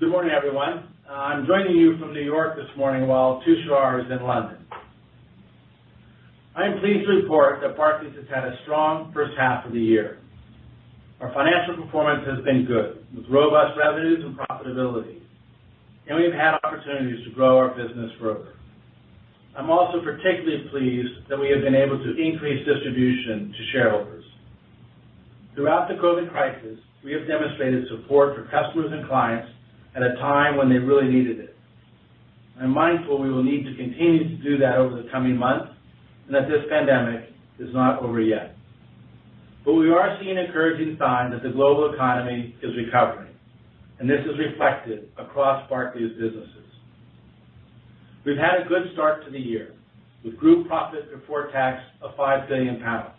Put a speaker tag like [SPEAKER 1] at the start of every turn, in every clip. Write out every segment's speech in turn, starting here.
[SPEAKER 1] Good morning, everyone. I'm joining you from New York this morning while Tushar is in London. I am pleased to report that Barclays has had a strong first half of the year. Our financial performance has been good, with robust revenues and profitability, and we have had opportunities to grow our business further. I'm also particularly pleased that we have been able to increase distribution to shareholders. Throughout the COVID crisis, we have demonstrated support for customers and clients at a time when they really needed it. I'm mindful we will need to continue to do that over the coming months and that this pandemic is not over yet. We are seeing encouraging signs that the global economy is recovering, and this is reflected across Barclays businesses. We've had a good start to the year, with Group profit before tax of 5 billion pounds.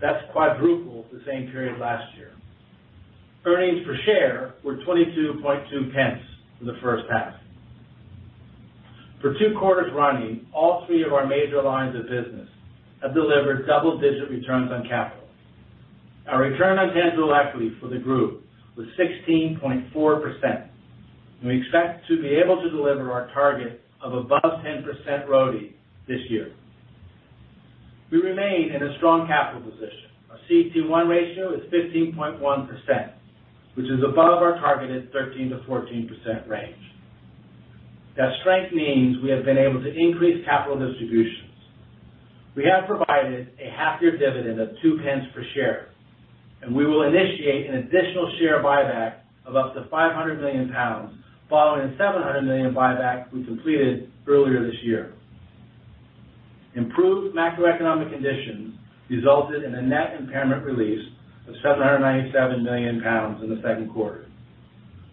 [SPEAKER 1] That's quadruple the same period last year. Earnings per share were 0.222 in the first half. For two quarters running, all three of our major lines of business have delivered double-digit returns on capital. Our return on tangible equity for the Group was 16.4%, and we expect to be able to deliver on our target of above 10% ROE this year. We remain in a strong capital position. Our CET1 ratio is 15.1%, which is above our targeted 13%-14% range. That strength means we have been able to increase capital distributions. We have provided a half-year dividend of 0.02 per share, and we will initiate an additional share buyback of up to 500 million pounds, following a 700 million buyback we completed earlier this year. Improved macroeconomic conditions resulted in a net impairment release of 797 million pounds in the second quarter.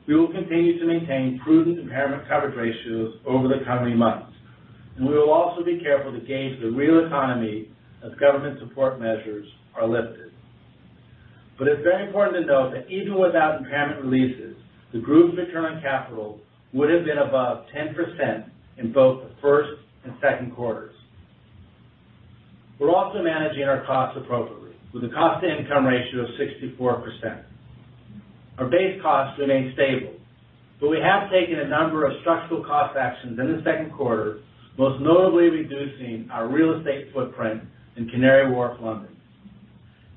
[SPEAKER 1] We will continue to maintain prudent impairment coverage ratios over the coming months, and we will also be careful to gauge the real economy as government support measures are lifted. It's very important to note that even without impairment releases, the Group's return on capital would have been above 10% in both the first and second quarters. We're also managing our costs appropriately, with a cost-to-income ratio of 64%. Our base costs remain stable, but we have taken a number of structural cost actions in the second quarter, most notably reducing our real estate footprint in Canary Wharf, London.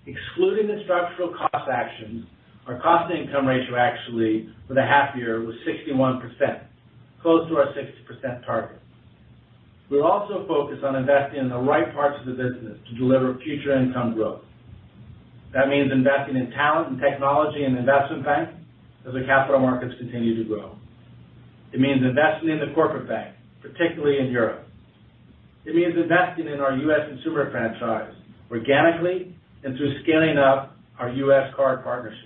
[SPEAKER 1] Excluding the structural cost actions, our cost-to-income ratio actually for the half year was 61%, close to our 60% target. We're also focused on investing in the right parts of the business to deliver future income growth. That means investing in talent and technology and Investment Bank as our capital markets continue to grow. It means investing in the Corporate Bank, particularly in Europe. It means investing in our U.S. consumer franchise organically and through scaling up our U.S. card partnerships.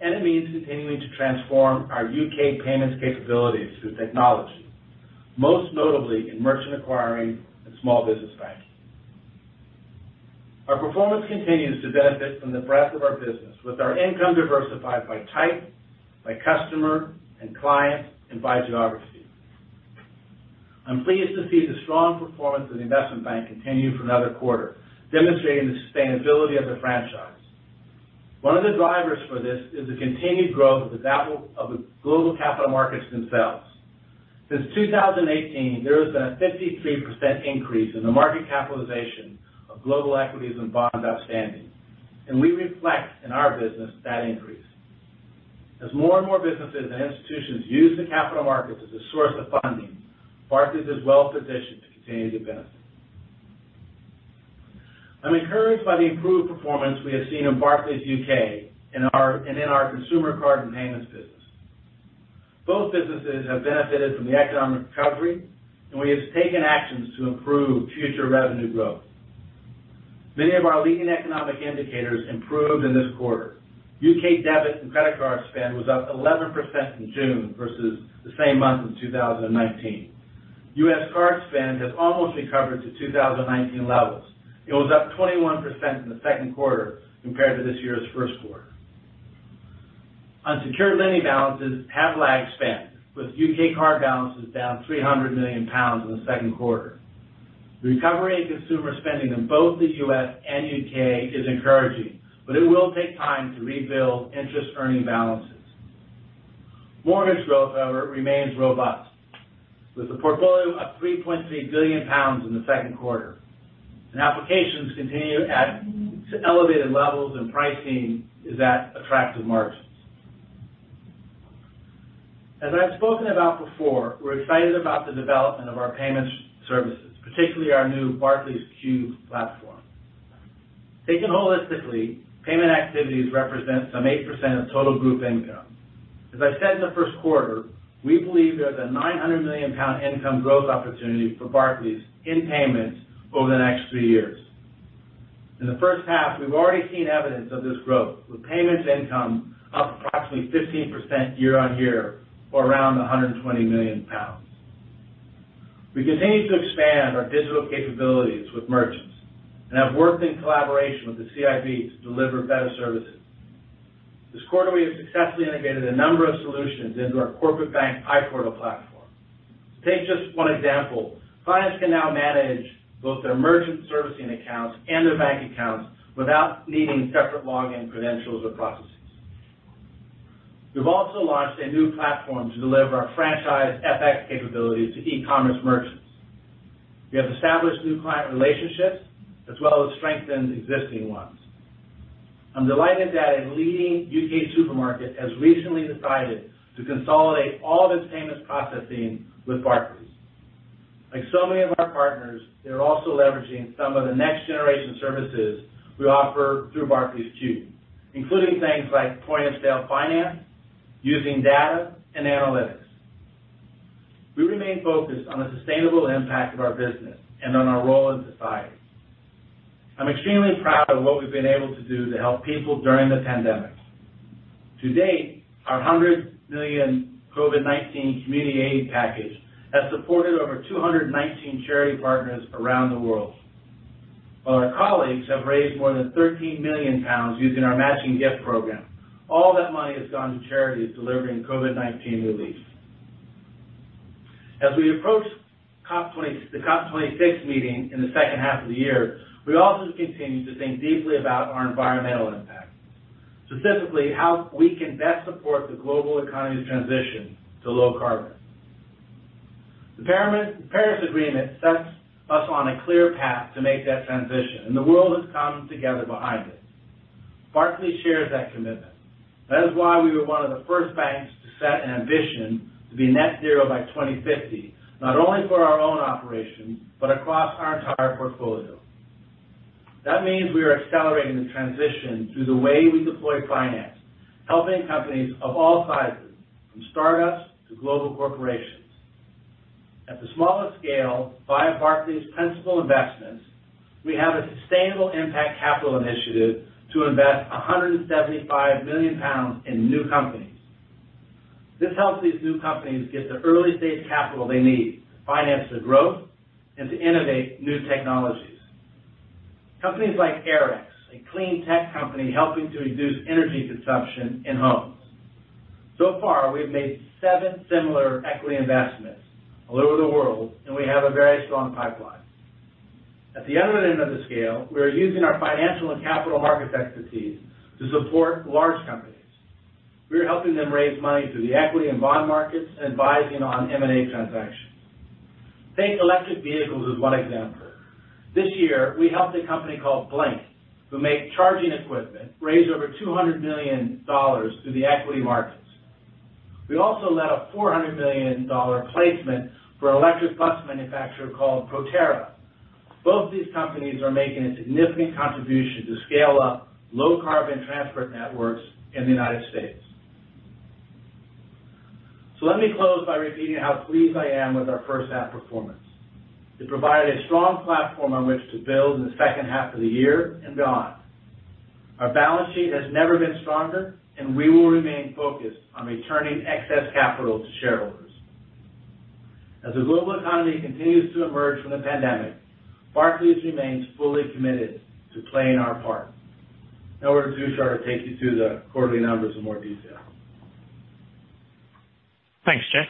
[SPEAKER 1] It means continuing to transform our U.K. payments capabilities through technology, most notably in merchant acquiring and small business banking. Our performance continues to benefit from the breadth of our business, with our income diversified by type, by customer and client, and by geography. I'm pleased to see the strong performance of the Investment Bank continue for another quarter, demonstrating the sustainability of the franchise. One of the drivers for this is the continued growth of the global capital markets themselves. Since 2018, there has been a 53% increase in the market capitalization of global equities and bonds outstanding, and we reflect in our business that increase. As more and more businesses and institutions use the capital markets as a source of funding, Barclays is well-positioned to continue to benefit. I'm encouraged by the improved performance we have seen in Barclays U.K. and in our consumer card and payments business. Both businesses have benefited from the economic recovery, and we have taken actions to improve future revenue growth. Many of our leading economic indicators improved in this quarter. U.K. debit and credit card spend was up 11% in June versus the same month in 2019. U.S. card spend has almost recovered to 2019 levels. It was up 21% in the second quarter compared to this year's first quarter. Unsecured lending balances have lagged spend, with U.K. card balances down 300 million pounds in the second quarter. Recovery in consumer spending in both the U.S. and U.K. is encouraging, but it will take time to rebuild interest earning balances. Mortgage growth, however, remains robust, with the portfolio up 3.3 billion pounds in the second quarter, and applications continue at elevated levels, and pricing is at attractive margins. As I've spoken about before, we're excited about the development of our payment services, particularly our new Barclays Cube platform. Taken holistically, payment activities represent some 8% of total group income. As I said in the first quarter, we believe there is a 900 million pound income growth opportunity for Barclays in payments over the next three years. In the first half, we've already seen evidence of this growth, with payments income up approximately 15% year-on-year or around 120 million pounds. We continue to expand our digital capabilities with merchants and have worked in collaboration with the CIB to deliver better services. This quarter, we have successfully integrated a number of solutions into our corporate bank iPortal platform. Take just one example. Clients can now manage both their merchant servicing accounts and their bank accounts without needing separate login credentials or processes. We've also launched a new platform to deliver our franchise FX capabilities to e-commerce merchants. We have established new client relationships, as well as strengthened existing ones. I'm delighted that a leading U.K. supermarket has recently decided to consolidate all of its payments processing with Barclays. Like so many of our partners, they're also leveraging some of the next generation services we offer through Barclays too, including things like point-of-sale finance, using data and analytics. We remain focused on the sustainable impact of our business and on our role in society. I'm extremely proud of what we've been able to do to help people during the pandemic. To date, our 100 million COVID-19 community aid package has supported over 219 charity partners around the world, while our colleagues have raised more than 13 million pounds using our matching gift program. All that money has gone to charities delivering COVID-19 relief. As we approach the COP26 meeting in the second half of the year, we also continue to think deeply about our environmental impact, specifically how we can best support the global economy's transition to low carbon. The Paris Agreement sets us on a clear path to make that transition. The world has come together behind it. Barclays shares that commitment. That is why we were one of the first banks to set an ambition to be net zero by 2050, not only for our own operations, but across our entire portfolio. That means we are accelerating the transition through the way we deploy finance, helping companies of all sizes, from startups to global corporations. At the smallest scale, via Barclays Principal Investments, we have a Sustainable Impact Capital initiative to invest 175 million pounds in new companies. This helps these new companies get the early-stage capital they need to finance their growth and to innovate new technologies. Companies like AirEx, a clean tech company helping to reduce energy consumption in homes. So far, we've made seven similar equity investments all over the world, and we have a very strong pipeline. At the other end of the scale, we are using our financial and capital market expertise to support large companies. We are helping them raise money through the equity and bond markets and advising on M&A transactions. Take electric vehicles as one example. This year, we helped a company called Blink, who make charging equipment, raise over $200 million through the equity markets. We also led a $400 million placement for electric bus manufacturer called Proterra. Both these companies are making a significant contribution to scale up low carbon transport networks in the United States. Let me close by repeating how pleased I am with our first half performance. It provided a strong platform on which to build in the second half of the year and beyond. Our balance sheet has never been stronger, and we will remain focused on returning excess capital to shareholders. As the global economy continues to emerge from the pandemic, Barclays remains fully committed to playing our part. Now over to Tushar to take you through the quarterly numbers in more detail.
[SPEAKER 2] Thanks, Jes.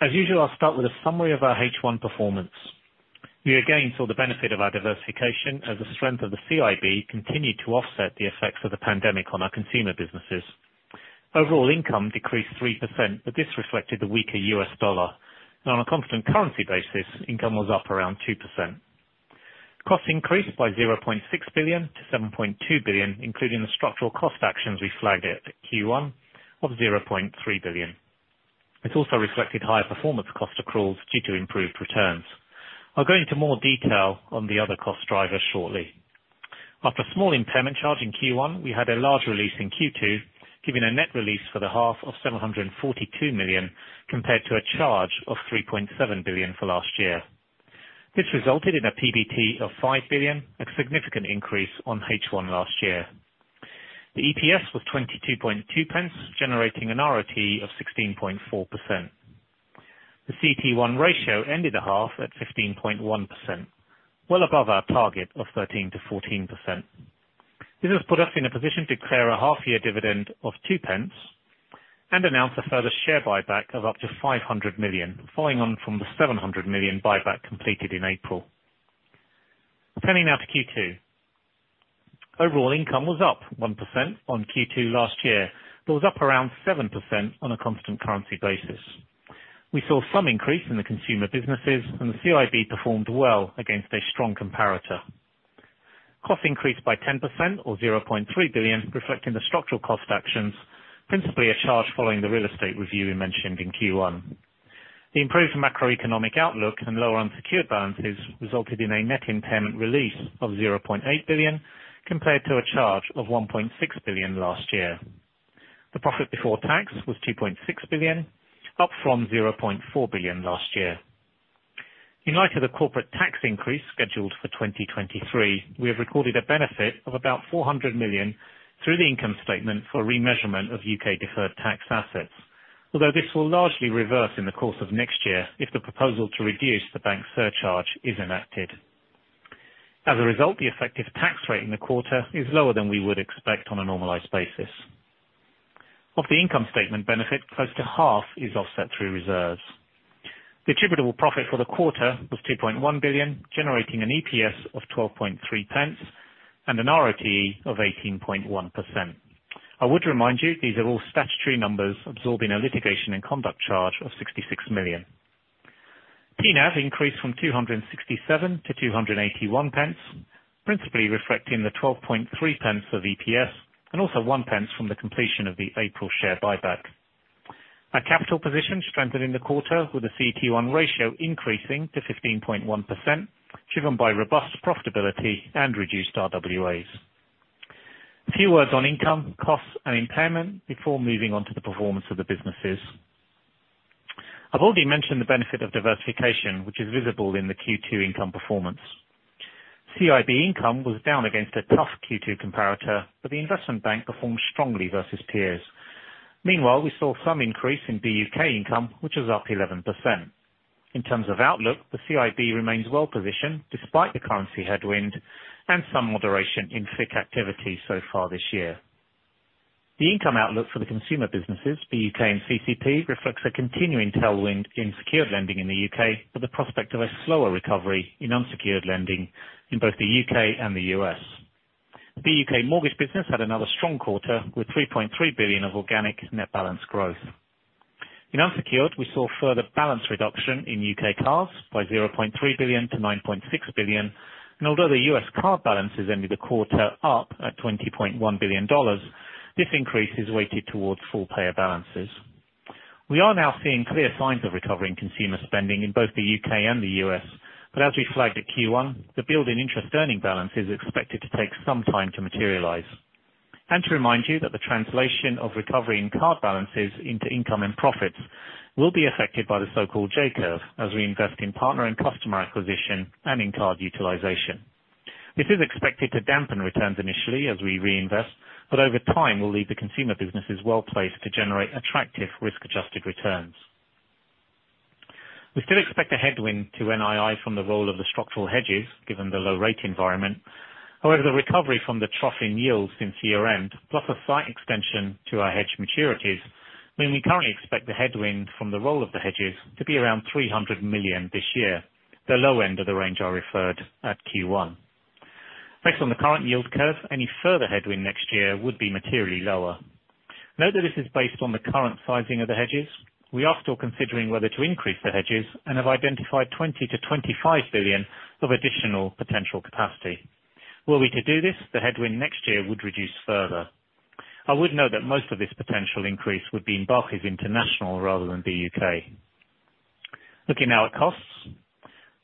[SPEAKER 2] As usual, I'll start with a summary of our H1 performance. We again saw the benefit of our diversification as the strength of the CIB continued to offset the effects of the pandemic on our consumer businesses. Overall income decreased 3%, but this reflected the weaker U.S. dollar. On a constant currency basis, income was up around 2%. Costs increased by 0.6 billion to 7.2 billion, including the structural cost actions we flagged at Q1 of 0.3 billion. It also reflected higher performance cost accruals due to improved returns. I'll go into more detail on the other cost drivers shortly. After a small impairment charge in Q1, we had a large release in Q2, giving a net release for the half of 742 million, compared to a charge of 3.7 billion for last year. This resulted in a PBT of 5 billion, a significant increase on H1 last year. The EPS was 0.222, generating an RoTE of 16.4%. The CET1 ratio ended the half at 15.1%, well above our target of 13%-14%. This has put us in a position to declare a half-year dividend of 0.02 and announce a further share buyback of up to 500 million, following on from the 700 million buyback completed in April. Turning now to Q2. Overall income was up 1% on Q2 last year, but was up around 7% on a constant currency basis. We saw some increase in the consumer businesses, and the CIB performed well against a strong comparator. Costs increased by 10% or 0.3 billion, reflecting the structural cost actions, principally a charge following the real estate review we mentioned in Q1. The improved macroeconomic outlook and lower unsecured balances resulted in a net impairment release of 0.8 billion, compared to a charge of 1.6 billion last year. The profit before tax was 2.6 billion, up from 0.4 billion last year. In light of the corporate tax increase scheduled for 2023, we have recorded a benefit of about 400 million through the income statement for remeasurement of U.K. deferred tax assets. Although this will largely reverse in the course of next year if the proposal to reduce the bank surcharge is enacted. As a result, the effective tax rate in the quarter is lower than we would expect on a normalized basis. Of the income statement benefit, close to half is offset through reserves. Distributable profit for the quarter was 2.1 billion, generating an EPS of 0.123 and an RoTE of 18.1%. I would remind you these are all statutory numbers absorbing a litigation and conduct charge of 66 million. TNAV increased from 2.67 to 2.81, principally reflecting the 0.123 of EPS and also 0.01 from the completion of the April share buyback. Our capital position strengthened in the quarter with a CET1 ratio increasing to 15.1%, driven by robust profitability and reduced RWAs. A few words on income, costs, and impairment before moving on to the performance of the businesses. I've already mentioned the benefit of diversification, which is visible in the Q2 income performance. CIB income was down against a tough Q2 comparator. The investment bank performed strongly versus peers. Meanwhile, we saw some increase in BUK income, which was up 11%. In terms of outlook, the CIB remains well-positioned despite the currency headwind and some moderation in FICC activity so far this year. The income outlook for the consumer businesses, BUK and CCP, reflects a continuing tailwind in secured lending in the U.K., with the prospect of a slower recovery in unsecured lending in both the U.K. and the U.S. BUK mortgage business had another strong quarter, with 3.3 billion of organic net balance growth. In unsecured, we saw further balance reduction in U.K. cards by 0.3 billion to 9.6 billion, and although the U.S. card balances ended the quarter up at $20.1 billion, this increase is weighted towards full payer balances. We are now seeing clear signs of recovering consumer spending in both the U.K. and the U.S., but as we flagged at Q1, the build in interest earning balance is expected to take some time to materialize. To remind you that the translation of recovery in card balances into income and profits will be affected by the so-called J curve as we invest in partner and customer acquisition and in card utilization. This is expected to dampen returns initially as we reinvest, but over time, will leave the consumer businesses well-placed to generate attractive risk-adjusted returns. We still expect a headwind to NII from the role of the structural hedges given the low rate environment. The recovery from the trough in yields since year-end, plus a slight extension to our hedge maturities, mean we currently expect the headwind from the roll of the hedges to be around 300 million this year, the low end of the range I referred at Q1. Based on the current yield curve, any further headwind next year would be materially lower. Note that this is based on the current sizing of the hedges. We are still considering whether to increase the hedges and have identified 20 billion-25 billion of additional potential capacity. Were we to do this, the headwind next year would reduce further. I would note that most of this potential increase would be in Barclays International rather than BUK. Looking now at costs.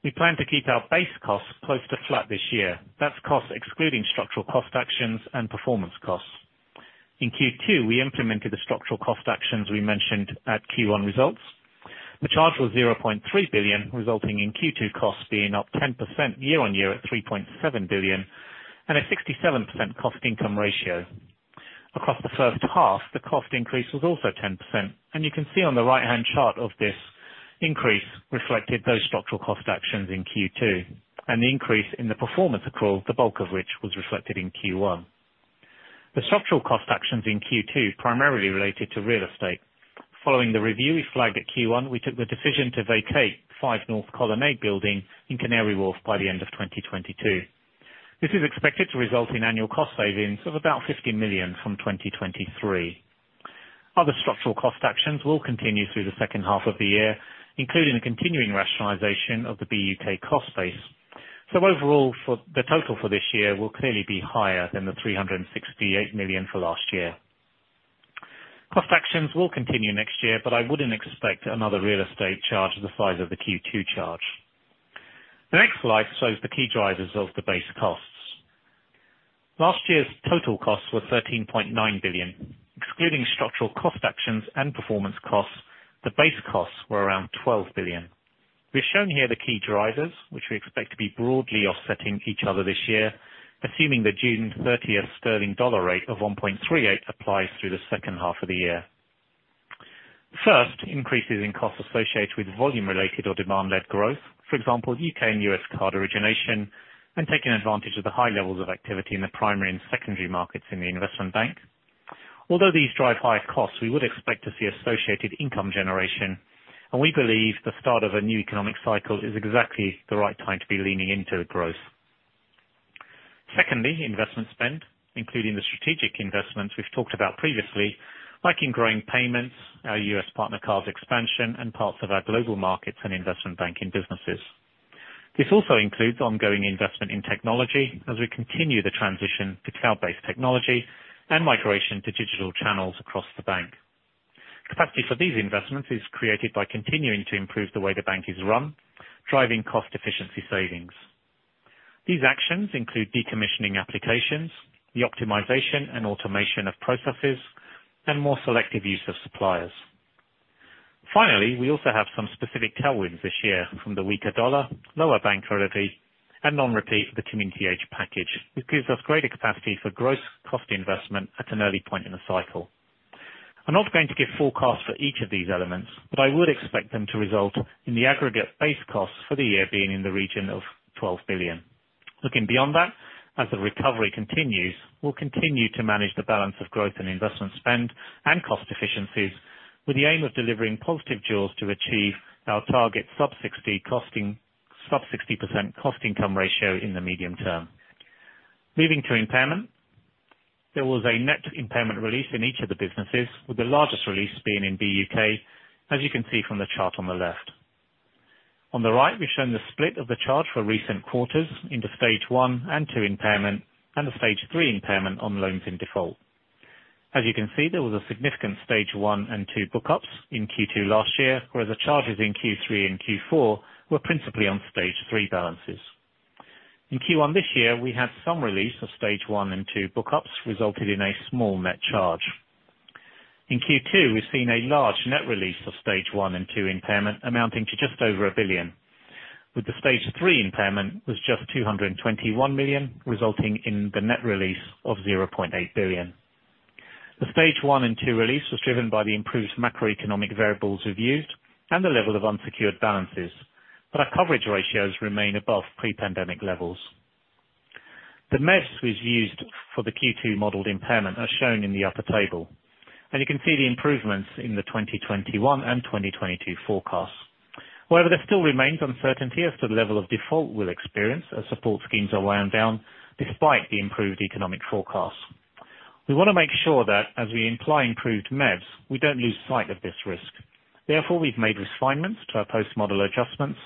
[SPEAKER 2] We plan to keep our base costs close to flat this year. That's costs excluding structural cost actions and performance costs. In Q2, we implemented the structural cost actions we mentioned at Q1 results. The charge was 0.3 billion, resulting in Q2 costs being up 10% year-on-year at 3.7 billion and a 67% cost-to-income ratio. Across the first half, the cost increase was also 10%. You can see on the right-hand chart of this increase reflected those structural cost actions in Q2 and the increase in the performance accrual, the bulk of which was reflected in Q1. The structural cost actions in Q2 primarily related to real estate. Following the review we flagged at Q1, we took the decision to vacate 5 North Colonnade building in Canary Wharf by the end of 2022. This is expected to result in annual cost savings of about 50 million from 2023. Other structural cost actions will continue through the second half of the year, including the continuing rationalization of the BUK cost base. Overall, the total for this year will clearly be higher than the 368 million for last year. Cost actions will continue next year, but I wouldn't expect another real estate charge the size of the Q2 charge. The next slide shows the key drivers of the base costs. Last year's total costs were 13.9 billion. Excluding structural cost actions and performance costs, the base costs were around 12 billion. We've shown here the key drivers, which we expect to be broadly offsetting each other this year, assuming the June 30th sterling dollar rate of $1.38 applies through the second half of the year. First, increases in costs associated with volume related or demand-led growth, for example, U.K. and U.S. card origination and taking advantage of the high levels of activity in the primary and secondary markets in the investment bank. Although these drive higher costs, we would expect to see associated income generation, and we believe the start of a new economic cycle is exactly the right time to be leaning into growth. Secondly, investment spend, including the strategic investments we've talked about previously, like in growing payments, our U.S. partner cards expansion, and parts of our Global Markets and Investment Banking businesses. This also includes ongoing investment in technology as we continue the transition to cloud-based technology and migration to digital channels across the bank. Capacity for these investments is created by continuing to improve the way the bank is run, driving cost efficiency savings. These actions include decommissioning applications, the optimization and automation of processes, and more selective use of suppliers. We also have some specific tailwinds this year from the weaker dollar, lower bank levy, and non-repeat of the Community Aid Package, which gives us greater capacity for gross cost investment at an early point in the cycle. I'm not going to give forecasts for each of these elements, but I would expect them to result in the aggregate base costs for the year being in the region of 12 billion. Looking beyond that, as the recovery continues, we'll continue to manage the balance of growth in investment spend and cost efficiencies, with the aim of delivering positive jaws to achieve our target sub-60% cost-to-income ratio in the medium term. Moving to impairment. There was a net impairment release in each of the businesses, with the largest release being in BUK, as you can see from the chart on the left. On the right, we've shown the split of the charge for recent quarters into Stage 1 and 2 impairment, and the Stage 3 impairment on loans in default. As you can see, there was a significant Stage 1 and 2 book-ups in Q2 last year, whereas the charges in Q3 and Q4 were principally on Stage 3 balances. In Q1 this year, we had some release of Stage 1 and 2 book-ups, resulting in a small net charge. In Q2, we've seen a large net release of Stage 1 and 2 impairment amounting to just over 1 billion, with the Stage 3 impairment was just 221 million, resulting in the net release of 0.8 billion. The Stage 1 and 2 release was driven by the improved macroeconomic variables we've used and the level of unsecured balances. Our coverage ratios remain above pre-pandemic levels. The MEVs was used for the Q2 modeled impairment, as shown in the upper table. You can see the improvements in the 2021 and 2022 forecasts. There still remains uncertainty as to the level of default we'll experience as support schemes are wound down despite the improved economic forecasts. We want to make sure that as we imply improved MEVs, we don't lose sight of this risk. We've made refinements to our post-model adjustments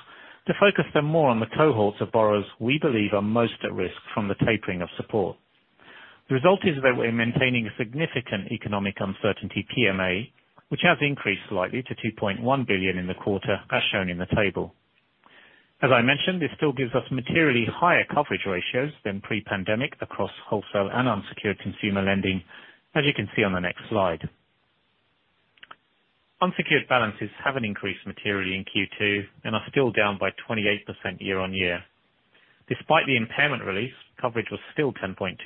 [SPEAKER 2] to focus them more on the cohorts of borrowers we believe are most at risk from the tapering of support. The result is that we're maintaining significant economic uncertainty PMA, which has increased slightly to 2.1 billion in the quarter as shown in the table. As I mentioned, this still gives us materially higher coverage ratios than pre-pandemic across wholesale and unsecured consumer lending, as you can see on the next slide. Unsecured balances haven't increased materially in Q2 and are still down by 28% year-on-year. Despite the impairment release, coverage was still 10.2%,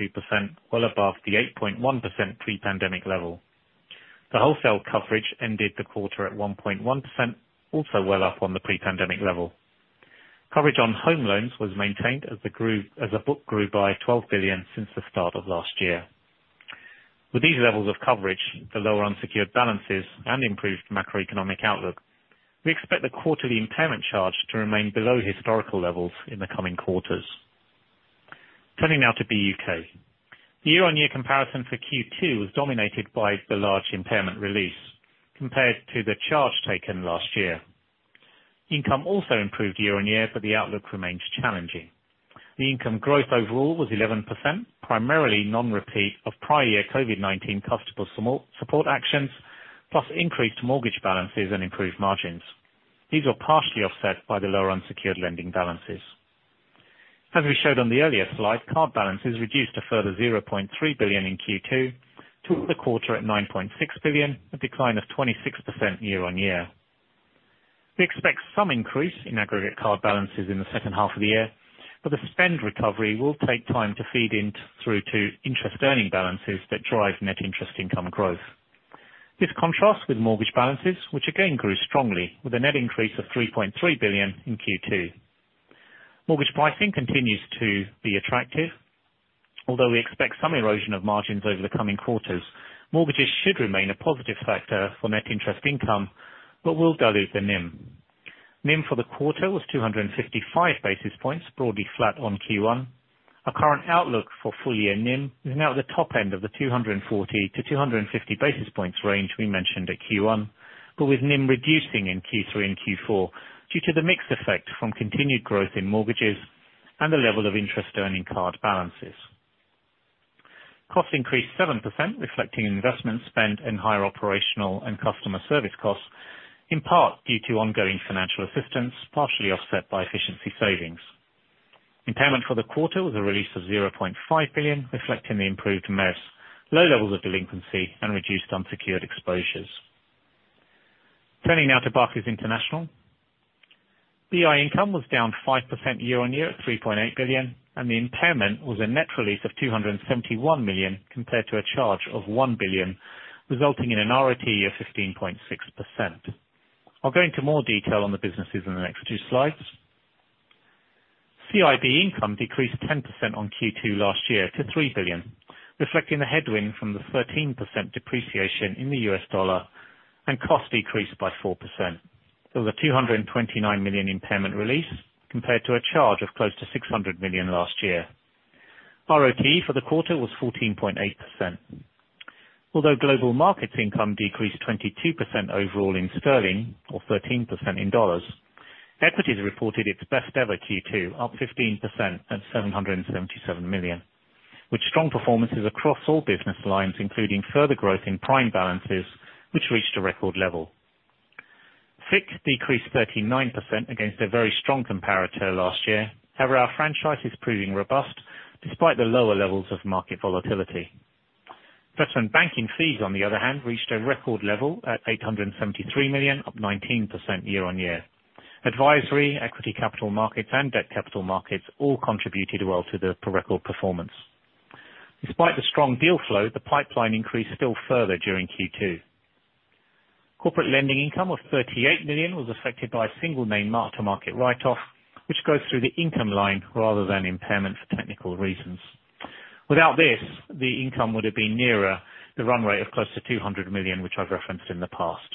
[SPEAKER 2] well above the 8.1% pre-pandemic level. The wholesale coverage ended the quarter at 1.1%, also well up on the pre-pandemic level. Coverage on home loans was maintained as the book grew by 12 billion since the start of last year. With these levels of coverage, the lower unsecured balances, and improved macroeconomic outlook, we expect the quarterly impairment charge to remain below historical levels in the coming quarters. Turning now to BUK. The year-on-year comparison for Q2 was dominated by the large impairment release compared to the charge taken last year. Income also improved year-on-year, the outlook remains challenging. The income growth overall was 11%, primarily non-repeat of prior year COVID-19 customer support actions, plus increased mortgage balances and improved margins. These were partially offset by the lower unsecured lending balances. As we showed on the earlier slide, card balances reduced a further 0.3 billion in Q2 to the quarter at 9.6 billion, a decline of 26% year-over-year. We expect some increase in aggregate card balances in the second half of the year, but the spend recovery will take time to feed in through to interest earning balances that drive net interest income growth. This contrasts with mortgage balances, which again grew strongly with a net increase of 3.3 billion in Q2. Mortgage pricing continues to be attractive. Although we expect some erosion of margins over the coming quarters, mortgages should remain a positive factor for net interest income, but will dilute the NIM. NIM for the quarter was 255 basis points, broadly flat on Q1. Our current outlook for full-year NIM is now at the top end of the 240-250 basis points range we mentioned at Q1, but with NIM reducing in Q3 and Q4 due to the mix effect from continued growth in mortgages and the level of interest earning card balances. Costs increased 7%, reflecting investment spend and higher operational and customer service costs, in part due to ongoing financial assistance, partially offset by efficiency savings. Impairment for the quarter was a release of 0.5 billion, reflecting the improved MEVs, low levels of delinquency, and reduced unsecured exposures. Turning now to Barclays International. BI income was down 5% year-over-year at 3.8 billion, and the impairment was a net release of 271 million compared to a charge of 1 billion, resulting in an RoTE of 15.6%. I'll go into more detail on the businesses in the next two slides. CIB income decreased 10% on Q2 last year to 3 billion, reflecting the headwind from the 13% depreciation in the U.S. dollar and cost decrease by 4%. There was a 229 million impairment release compared to a charge of close to 600 million last year. RoTE for the quarter was 14.8%. Although global markets income decreased 22% overall in sterling or 13% in dollars, equities reported its best ever Q2, up 15% at 777 million, with strong performances across all business lines, including further growth in prime balances, which reached a record level. FICC decreased 39% against a very strong comparator last year. Our franchise is proving robust despite the lower levels of market volatility. Investment banking fees, on the other hand, reached a record level at 873 million, up 19% year-on-year. Advisory, equity capital markets, and debt capital markets all contributed well to the record performance. Despite the strong deal flow, the pipeline increased still further during Q2. Corporate lending income of 38 million was affected by a single name mark-to-market write-off, which goes through the income line rather than impairment for technical reasons. Without this, the income would have been nearer the run rate of close to 200 million, which I've referenced in the past.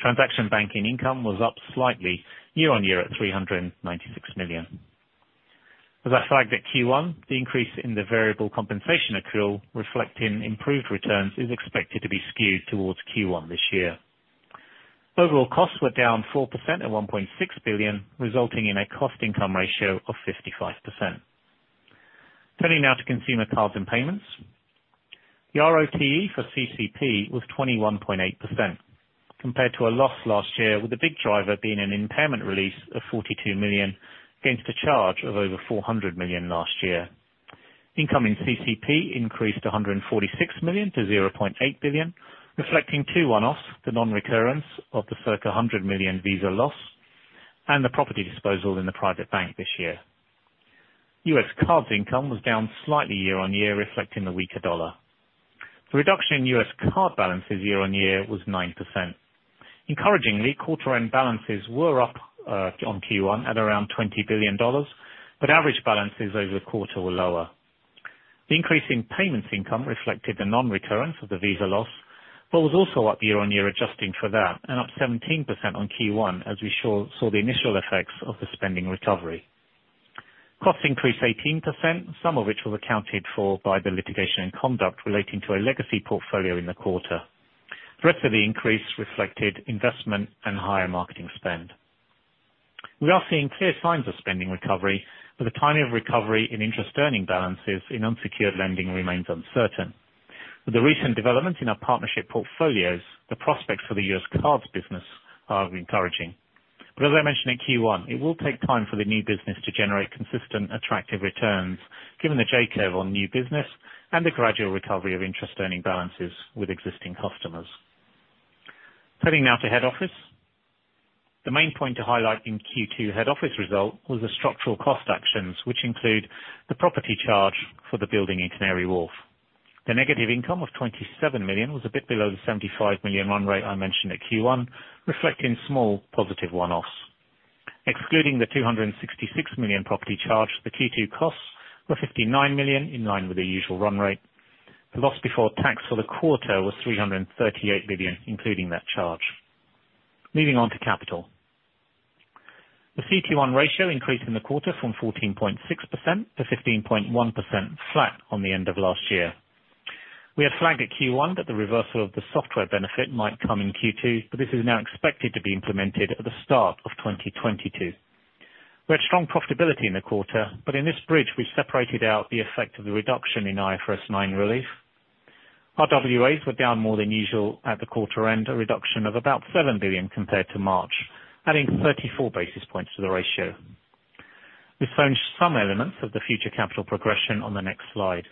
[SPEAKER 2] Transaction banking income was up slightly year-on-year at 396 million. As I flagged at Q1, the increase in the variable compensation accrual reflecting improved returns is expected to be skewed towards Q1 this year. Overall costs were down 4% at 1.6 billion, resulting in a cost-to-income ratio of 55%. Turning now to consumer cards and payments. The RoTE for CCP was 21.8%, compared to a loss last year, with the big driver being an impairment release of 42 million against a charge of over 400 million last year. Income in CCP increased to 146 million to 0.8 billion, reflecting two one-offs, the non-recurrence of the circa 100 million Visa loss and the property disposal in the private bank this year. U.S. cards income was down slightly year-on-year, reflecting the weaker dollar. The reduction in U.S. card balances year-on-year was 9%. Encouragingly, quarter-end balances were up on Q1 at around $20 billion, but average balances over the quarter were lower. The increase in payments income reflected the non-recurrence of the Visa loss, but was also up year-on-year, adjusting for that, and up 17% on Q1 as we saw the initial effects of the spending recovery. Costs increased 18%, some of which was accounted for by the litigation and conduct relating to a legacy portfolio in the quarter. The rest of the increase reflected investment and higher marketing spend. We are seeing clear signs of spending recovery, the timing of recovery in interest earning balances in unsecured lending remains uncertain. With the recent development in our partnership portfolios, the prospects for the U.S. cards business are encouraging. As I mentioned in Q1, it will take time for the new business to generate consistent, attractive returns, given the J-curve on new business and the gradual recovery of interest earning balances with existing customers. Turning now to head office. The main point to highlight in Q2 head office result was the structural cost actions, which include the property charge for the building in Canary Wharf. The negative income of 27 million was a bit below the 75 million run rate I mentioned at Q1, reflecting small positive one-offs. Excluding the 266 million property charge, the Q2 costs were 59 million, in line with the usual run rate. The loss before tax for the quarter was 338 million, including that charge. Moving on to capital. The CET1 ratio increased in the quarter from 14.6% to 15.1%, flat on the end of last year. We had flagged at Q1 that the reversal of the software benefit might come in Q2, but this is now expected to be implemented at the start of 2022. We had strong profitability in the quarter, but in this bridge, we separated out the effect of the reduction in IFRS 9 relief. RWAs were down more than usual at the quarter end, a reduction of about 7 billion compared to March, adding 34 basis points to the ratio. We've shown some elements of the future capital progression on the next slide.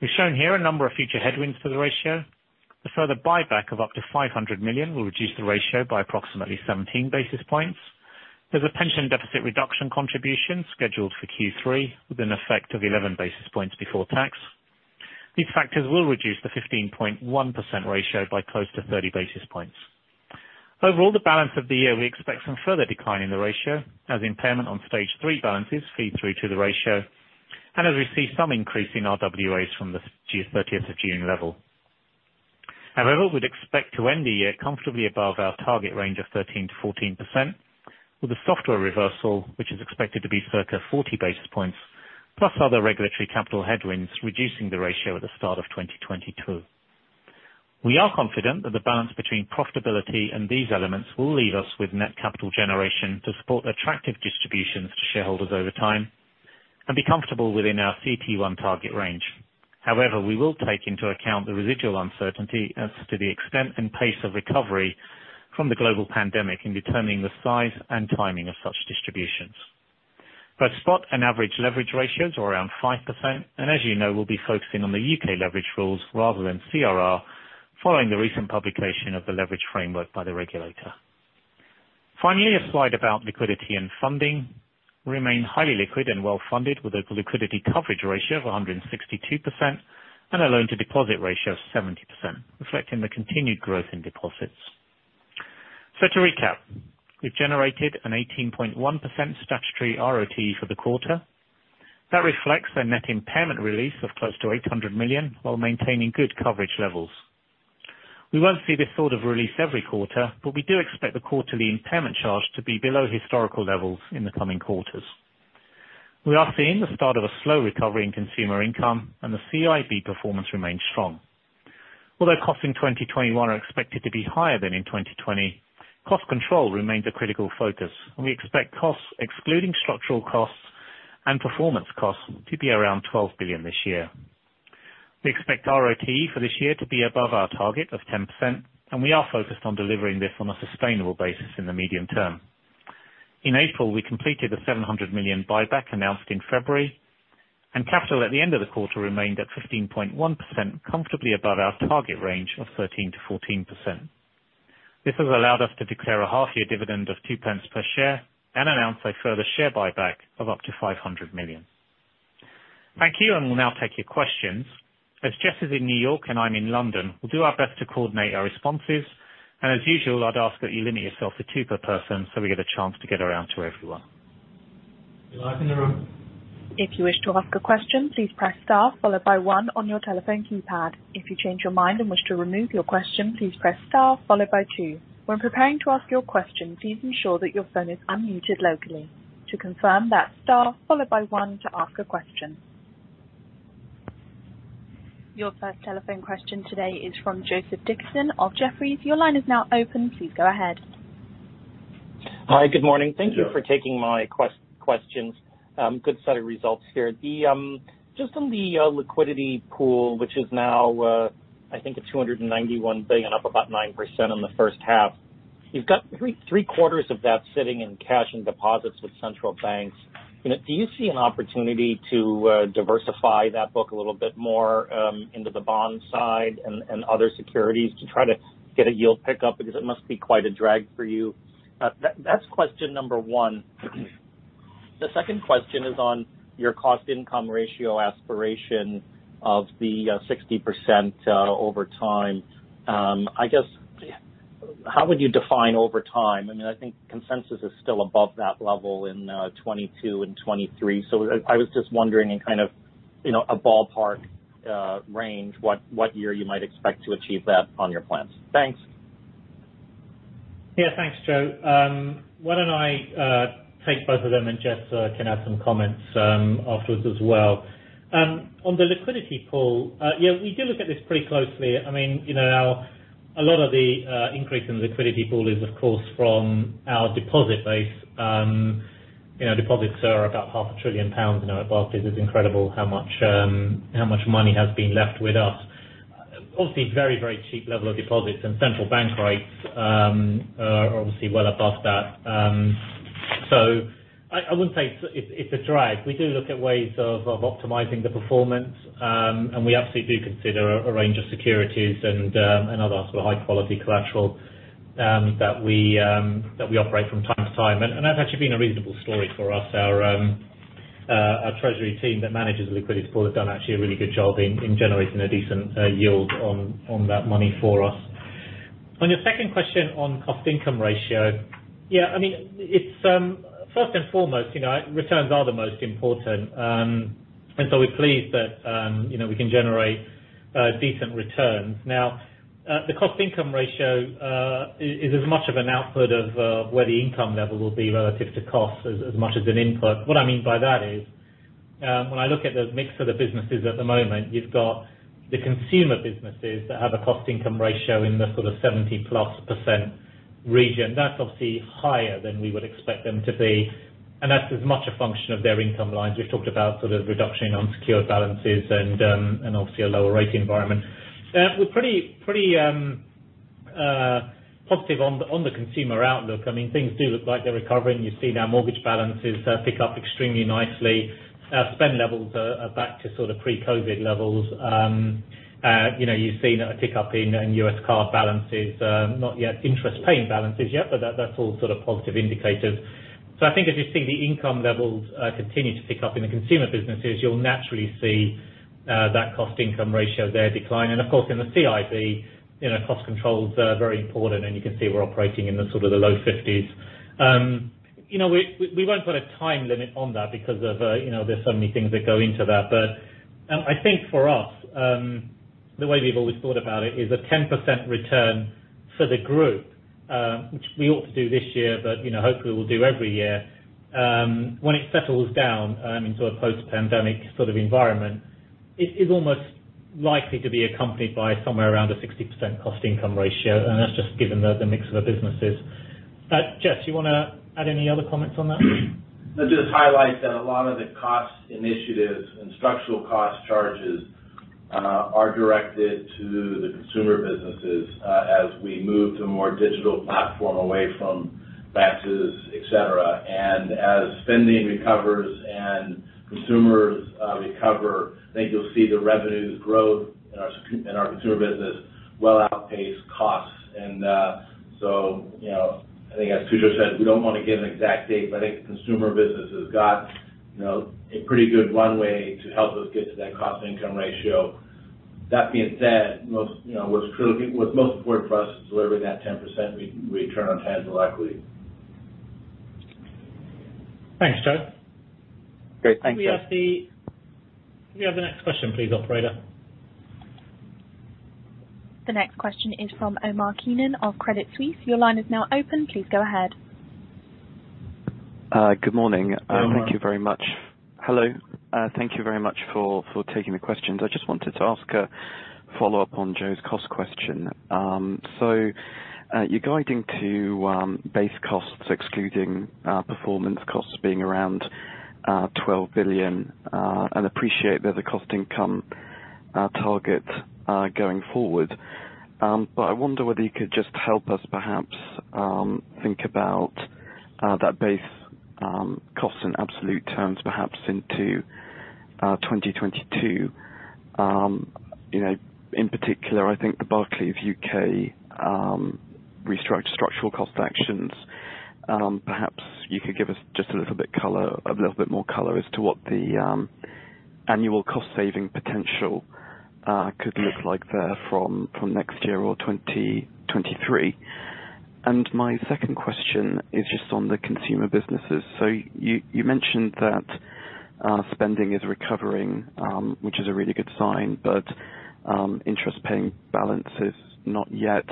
[SPEAKER 2] We've shown here a number of future headwinds for the ratio. A further buyback of up to 500 million will reduce the ratio by approximately 17 basis points. There's a pension deficit reduction contribution scheduled for Q3 with an effect of 11 basis points before tax. These factors will reduce the 15.1% ratio by close to 30 basis points. Overall, the balance of the year, we expect some further decline in the ratio as impairment on Stage 3 balances feed through to the ratio and as we see some increase in RWAs from the 30th of June level. However, we'd expect to end the year comfortably above our target range of 13%-14%, with the software reversal, which is expected to be circa 40 basis points, plus other regulatory capital headwinds reducing the ratio at the start of 2022. We are confident that the balance between profitability and these elements will leave us with net capital generation to support attractive distributions to shareholders over time and be comfortable within our CET1 target range. However, we will take into account the residual uncertainty as to the extent and pace of recovery from the global pandemic in determining the size and timing of such distributions. Both spot and average leverage ratios are around 5%, and as you know, we'll be focusing on the U.K. leverage rules rather than CRR following the recent publication of the leverage framework by the regulator. Finally, a slide about liquidity and funding. We remain highly liquid and well funded with a liquidity coverage ratio of 162% and a loan-to-deposit ratio of 70%, reflecting the continued growth in deposits. To recap, we've generated an 18.1% statutory RoTE for the quarter. That reflects a net impairment release of close to 800 million while maintaining good coverage levels. We won't see this sort of release every quarter, but we do expect the quarterly impairment charge to be below historical levels in the coming quarters. We are seeing the start of a slow recovery in consumer income, and the CIB performance remains strong. Although costs in 2021 are expected to be higher than in 2020, cost control remains a critical focus, and we expect costs, excluding structural costs and performance costs, to be around 12 billion this year. We expect RoTE for this year to be above our target of 10%, and we are focused on delivering this on a sustainable basis in the medium term. In April, we completed the 700 million buyback announced in February, and capital at the end of the quarter remained at 15.1%, comfortably above our target range of 13%-14%. This has allowed us to declare a half-year dividend of 0.02 per share and announce a further share buyback of up to 500 million. Thank you. We'll now take your questions. As Jes is in New York and I'm in London, we'll do our best to coordinate our responses. As usual, I'd ask that you limit yourself to two per person so we get a chance to get around to everyone.
[SPEAKER 1] Live in the room.
[SPEAKER 3] If you wish to ask a question, please press star followed by one on your telephone keypad. If you change your mind and wish to remove your question, please press star followed by two. When preparing to ask your question, please ensure that your phone is unmuted locally. To confirm, that's star followed by one to ask a question. Your first telephone question today is from Joseph Dickerson of Jefferies. Your line is now open. Please go ahead.
[SPEAKER 4] Hi. Good morning.
[SPEAKER 2] Good morning.
[SPEAKER 4] Thank you for taking my questions. Good set of results here. Just on the liquidity pool, which is now, I think, at 291 billion, up about 9% on the first half. You've got three quarters of that sitting in cash and deposits with central banks. Do you see an opportunity to diversify that book a little bit more into the bond side and other securities to try to get a yield pickup? Because it must be quite a drag for you. That's question number one. The second question is on your cost-to-income ratio aspiration of the 60% over time. I guess, how would you define over time? I think consensus is still above that level in 2022 and 2023. I was just wondering in a ballpark range, what year you might expect to achieve that on your plans? Thanks.
[SPEAKER 2] Yeah. Thanks, Joe. Why don't I take both of them, and Jes can add some comments afterwards as well. On the liquidity pool, we do look at this pretty closely. A lot of the increase in liquidity pool is, of course, from our deposit base. Deposits are about 0.5 trillion pounds now at Barclays. It's incredible how much money has been left with us. Obviously, very, very cheap level of deposits, and central bank rates are obviously well above that. I wouldn't say it's a drag. We do look at ways of optimizing the performance. We absolutely do consider a range of securities and other high-quality collateral that we operate from time to time. That's actually been a reasonable story for us. Our treasury team that manages the liquidity pool have done actually a really good job in generating a decent yield on that money for us. On your second question on cost-to-income ratio. First and foremost, returns are the most important. We're pleased that we can generate decent returns. Now, the cost-to-income ratio is as much of an output of where the income level will be relative to cost as much as an input. What I mean by that is, when I look at the mix of the businesses at the moment, you've got the consumer businesses that have a cost-to-income ratio in the sort of 70%+ region. That's obviously higher than we would expect them to be, and that's as much a function of their income lines. We've talked about reduction in unsecured balances and obviously a lower rate environment. We're pretty positive on the consumer outlook. Things do look like they're recovering. You see now mortgage balances pick up extremely nicely. Spend levels are back to pre-COVID levels. You've seen a tick-up in U.S. card balances. Not yet interest-paying balances yet, but that's all positive indicators. I think as you see the income levels continue to tick up in the consumer businesses, you'll naturally see that cost-to-income ratio there decline. Of course, in the CIB, cost controls are very important, and you can see we're operating in the low 50s. We won't put a time limit on that because there's so many things that go into that. I think for us, the way we've always thought about it is a 10% return for the group, which we ought to do this year, but hopefully we'll do every year. When it settles down into a post-pandemic sort of environment, it is almost likely to be accompanied by somewhere around a 60% cost-income ratio, and that's just given the mix of the businesses. Jes, you want to add any other comments on that?
[SPEAKER 1] I'd just highlight that a lot of the cost initiatives and structural cost charges are directed to the consumer businesses as we move to a more digital platform away from branches, et cetera. As spending recovers and consumers recover, I think you'll see the revenues growth in our consumer business well outpace costs. I think as Tushar said, we don't want to give an exact date, but I think the consumer business has got a pretty good runway to help us get to that cost-to-income ratio. That being said, what's most important for us is delivering that 10% return on tangible equity.
[SPEAKER 2] Thanks, Joe.
[SPEAKER 4] Great. Thanks.
[SPEAKER 2] Can we have the next question please, operator?
[SPEAKER 3] The next question is from Omar Keenan of Credit Suisse. Your line is now open. Please go ahead.
[SPEAKER 5] Good morning.
[SPEAKER 2] Good morning.
[SPEAKER 5] Thank you very much. Hello. Thank you very much for taking the questions. I just wanted to ask a follow-up on Joe's cost question. You're guiding to base costs, excluding performance costs being around 12 billion. Appreciate they're the cost income target going forward. I wonder whether you could just help us perhaps think about that base cost in absolute terms, perhaps into 2022. In particular, I think the Barclays U.K. structural cost actions. Perhaps you could give us just a little bit more color as to what the annual cost saving potential could look like there from next year or 2023. My second question is just on the consumer businesses. You mentioned that spending is recovering, which is a really good sign, but interest-paying balance is not yet.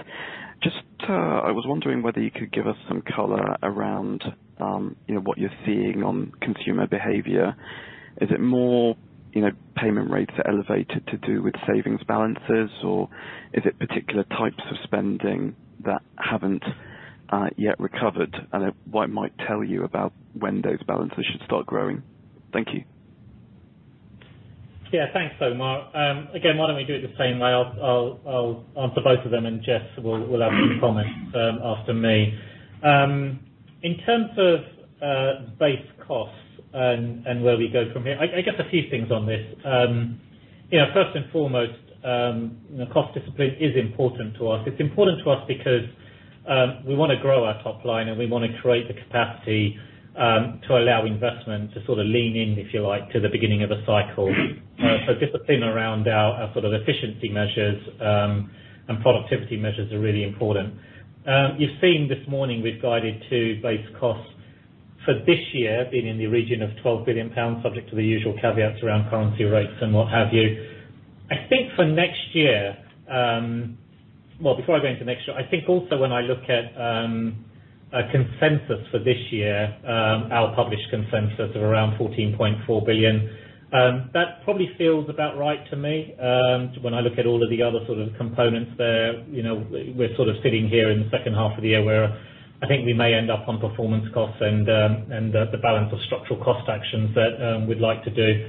[SPEAKER 5] I was wondering whether you could give us some color around what you're seeing on consumer behavior. Is it more payment rates are elevated to do with savings balances, or is it particular types of spending that haven't yet recovered? What it might tell you about when those balances should start growing. Thank you.
[SPEAKER 2] Thanks, Omar. Why don't we do it the same way? I'll answer both of them, and Jes will have some comments after me. In terms of base costs and where we go from here, I guess a few things on this. First and foremost, cost discipline is important to us. It's important to us because we want to grow our top line, and we want to create the capacity to allow investment to sort of lean in, if you like, to the beginning of a cycle. Discipline around our efficiency measures and productivity measures are really important. You've seen this morning we've guided to base costs for this year being in the region of GBP 12 billion, subject to the usual caveats around currency rates and what have you. Before I go into next year, I think also when I look at consensus for this year, our published consensus of around 14.4 billion, that probably feels about right to me. When I look at all of the other sort of components there, we're sort of sitting here in the second half of the year where I think we may end up on performance costs and the balance of structural cost actions that we'd like to do.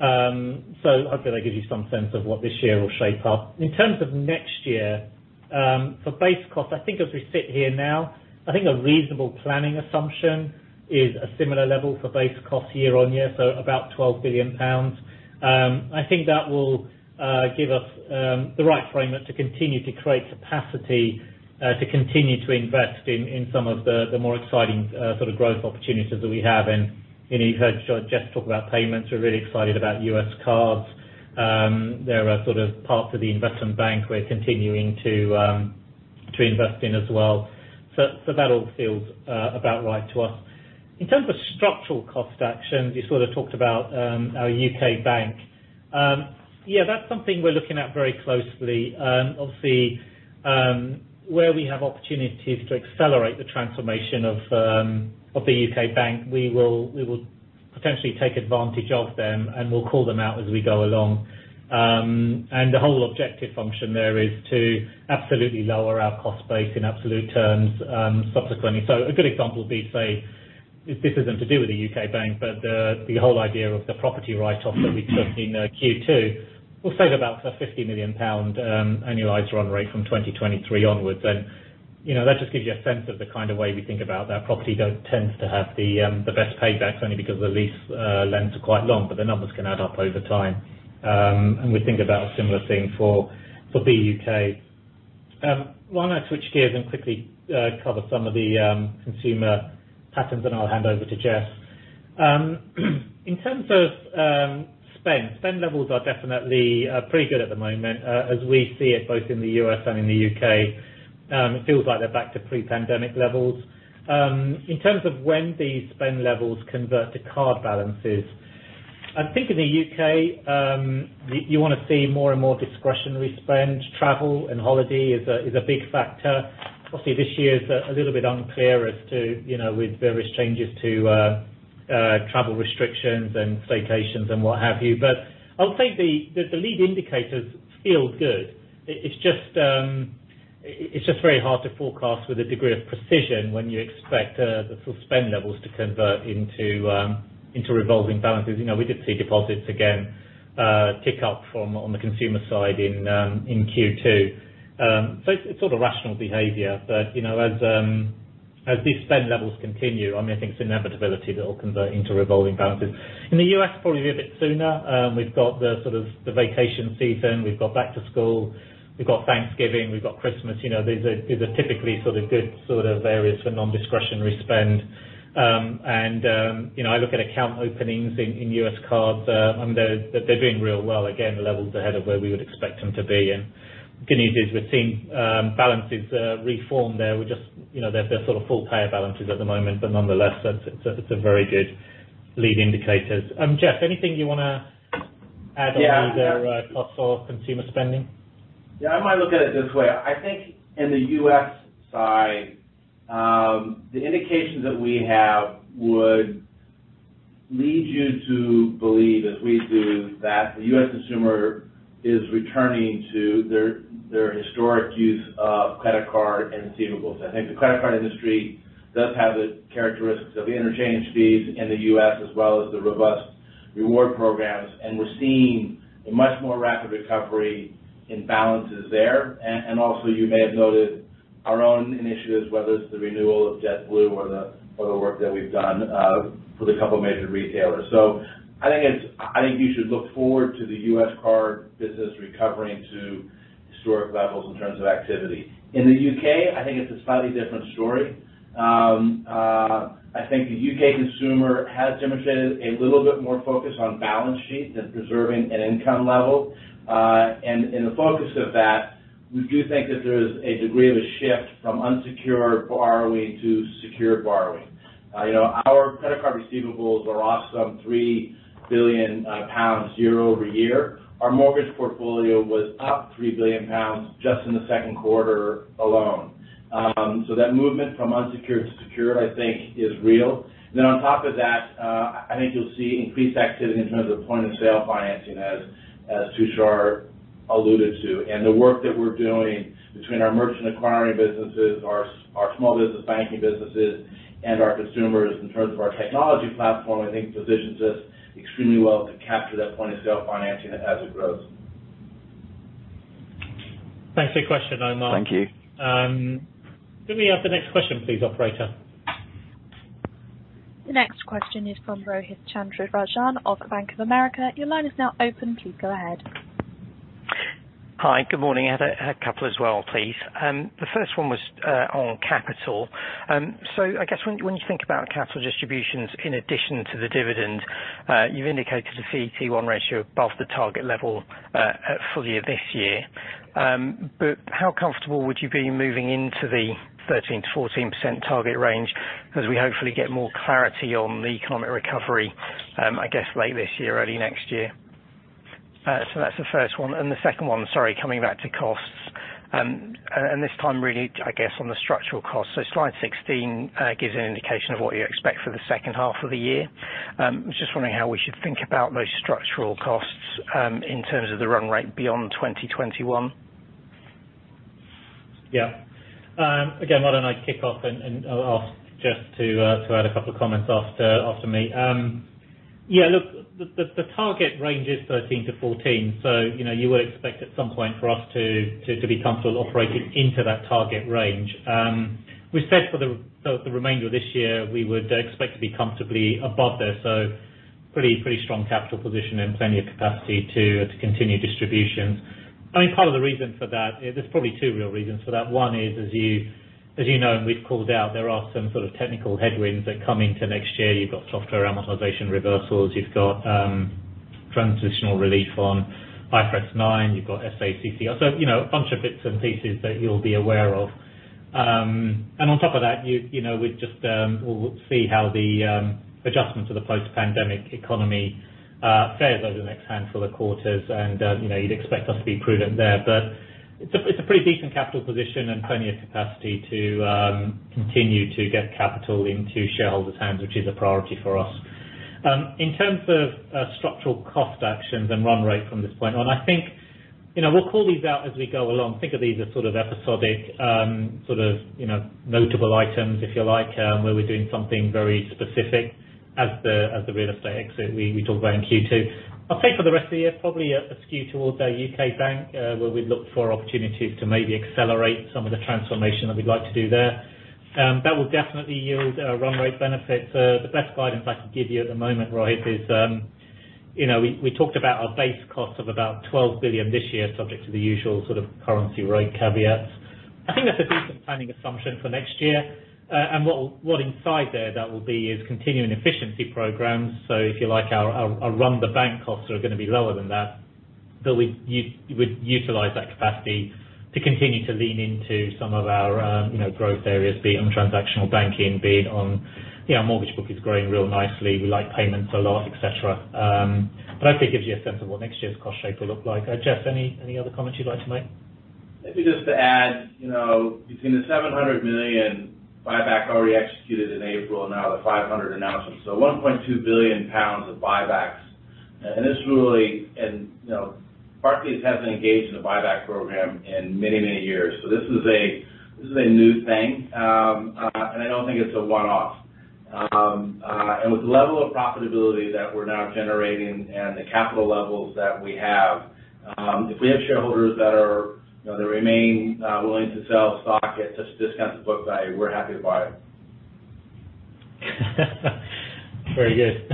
[SPEAKER 2] Hopefully that gives you some sense of what this year will shape up. In terms of next year, for base cost, I think as we sit here now, I think a reasonable planning assumption is a similar level for base cost year-on-year, so about 12 billion pounds. I think that will give us the right framework to continue to create capacity to continue to invest in some of the more exciting sort of growth opportunities that we have. You heard Jes talk about payments. We're really excited about U.S. cards. They're a part of the Investment Bank we're continuing to invest in as well. That all feels about right to us. In terms of structural cost actions, you sort of talked about our U.K. Bank. That's something we're looking at very closely. Obviously, where we have opportunities to accelerate the transformation of the U.K. Bank, we will potentially take advantage of them, and we'll call them out as we go along. The whole objective function there is to absolutely lower our cost base in absolute terms subsequently. A good example would be, say, this isn't to do with the U.K. bank, but the whole idea of the property write-off that we took in Q2 will save about a 50 million pound annualized run rate from 2023 onwards. That just gives you a sense of the kind of way we think about that. Property tends to have the best paybacks only because the lease lengths are quite long, but the numbers can add up over time. We think about a similar thing for the U.K. Why don't I switch gears and quickly cover some of the consumer patterns, and I'll hand over to Jes. In terms of spend levels are definitely pretty good at the moment, as we see it both in the U.S. and in the U.K. It feels like they're back to pre-pandemic levels. In terms of when these spend levels convert to card balances, I think in the U.K., you want to see more and more discretionary spend. Travel and holiday is a big factor. Obviously, this year is a little bit unclear with various changes to travel restrictions and vacations and what have you. I would say the lead indicators feel good. It's just very hard to forecast with a degree of precision when you expect the full spend levels to convert into revolving balances. We did see deposits again tick up on the consumer side in Q2. It's sort of rational behavior. As these spend levels continue, I think it's an inevitability that it'll convert into revolving balances. In the U.S., probably be a bit sooner. We've got the vacation season. We've got back to school. We've got Thanksgiving. We've got Christmas. These are typically good areas for non-discretionary spend. I look at account openings in U.S. cards, and they're doing real well, again, levels ahead of where we would expect them to be. Good news is we're seeing balances reform there. They're sort of full pay balances at the moment, but nonetheless, it's a very good lead indicators. Jes, anything you want to add on either costs or consumer spending?
[SPEAKER 1] Yeah, I might look at it this way. I think in the U.S. side, the indications that we have would lead you to believe, as we do, that the U.S. consumer is returning to their historic use of credit card and receivables. I think the credit card industry does have the characteristics of interchange fees in the U.S. as well as the robust reward programs, and we're seeing a much more rapid recovery in balances there. Also, you may have noted. Our own initiatives, whether it's the renewal of JetBlue or the work that we've done with a couple of major retailers. I think you should look forward to the U.S. Card business recovering to historic levels in terms of activity. In the U.K., I think it's a slightly different story. I think the U.K. consumer has demonstrated a little bit more focus on balance sheet than preserving an income level. In the focus of that, we do think that there's a degree of a shift from unsecured borrowing to secured borrowing. Our credit card receivables were off some 3 billion pounds year-over-year. Our mortgage portfolio was up 3 billion pounds just in the second quarter alone. That movement from unsecured to secured, I think is real. Then on top of that, I think you'll see increased activity in terms of point-of-sale financing, as Tushar alluded to. The work that we're doing between our merchant acquiring businesses, our small business banking businesses, and our consumers in terms of our technology platform, I think positions us extremely well to capture that point-of-sale financing as it grows.
[SPEAKER 2] Thanks for your question, Omar.
[SPEAKER 5] Thank you.
[SPEAKER 2] Can we have the next question please, operator?
[SPEAKER 3] The next question is from Rohith Chandra-Rajan of Bank of America. Your line is now open. Please go ahead.
[SPEAKER 6] Hi. Good morning. I had a couple as well, please. The first one was on capital. I guess when you think about capital distributions in addition to the dividend, you've indicated a CET1 ratio above the target level at full-year this year. How comfortable would you be moving into the 13%-14% target range as we hopefully get more clarity on the economic recovery, I guess late this year, early next year? That's the first one. The second one, sorry, coming back to costs, and this time really, I guess on the structural cost. Slide 16 gives an indication of what you expect for the second half of the year. I'm just wondering how we should think about those structural costs in terms of the run rate beyond 2021.
[SPEAKER 2] Yeah. Again, why don't I kick off and I'll ask Jes to add a couple of comments after me. Yeah, look, the target range is 13%-14%, so you would expect at some point for us to be comfortable operating into that target range. We said for the remainder of this year, we would expect to be comfortably above there, so pretty strong capital position and plenty of capacity to continue distributions. I mean, part of the reason for that, there's probably two real reasons for that. One is as you know and we've called out, there are some sort of technical headwinds that come into next year. You've got software amortization reversals. You've got transitional relief on IFRS 9, you've got SA-CCR. A bunch of bits and pieces that you'll be aware of. On top of that, we'll see how the adjustment to the post-pandemic economy fares over the next handful of quarters, and you'd expect us to be prudent there. It's a pretty decent capital position and plenty of capacity to continue to get capital into shareholders' hands, which is a priority for us. In terms of structural cost actions and run rate from this point on, I think we'll call these out as we go along. Think of these as sort of episodic notable items, if you like, where we're doing something very specific as the real estate exit we talked about in Q2. For the rest of the year, probably a skew towards our U.K. bank, where we'd look for opportunities to maybe accelerate some of the transformation that we'd like to do there. That will definitely yield a run rate benefit. The best guidance I can give you at the moment, Rohith, is we talked about our base cost of about 12 billion this year, subject to the usual sort of currency rate caveats. I think that's a decent planning assumption for next year. What inside there that will be is continuing efficiency programs. If you like, our run-the-bank costs are going to be lower than that, but we would utilize that capacity to continue to lean into some of our growth areas, be it on transactional banking, be it on mortgage book is growing real nicely. We like payments a lot, et cetera. Hopefully it gives you a sense of what next year's cost shape will look like. Jes, any other comments you'd like to make?
[SPEAKER 1] Maybe just to add, between the 700 million buyback already executed in April, now the 500 million announcement, 1.2 billion pounds of buybacks. Barclays hasn't engaged in a buyback program in many, many years. This is a new thing. I don't think it's a one-off. With the level of profitability that we're now generating and the capital levels that we have, if we have shareholders that remain willing to sell stock at such discounted book value, we're happy to buy it.
[SPEAKER 2] Very good.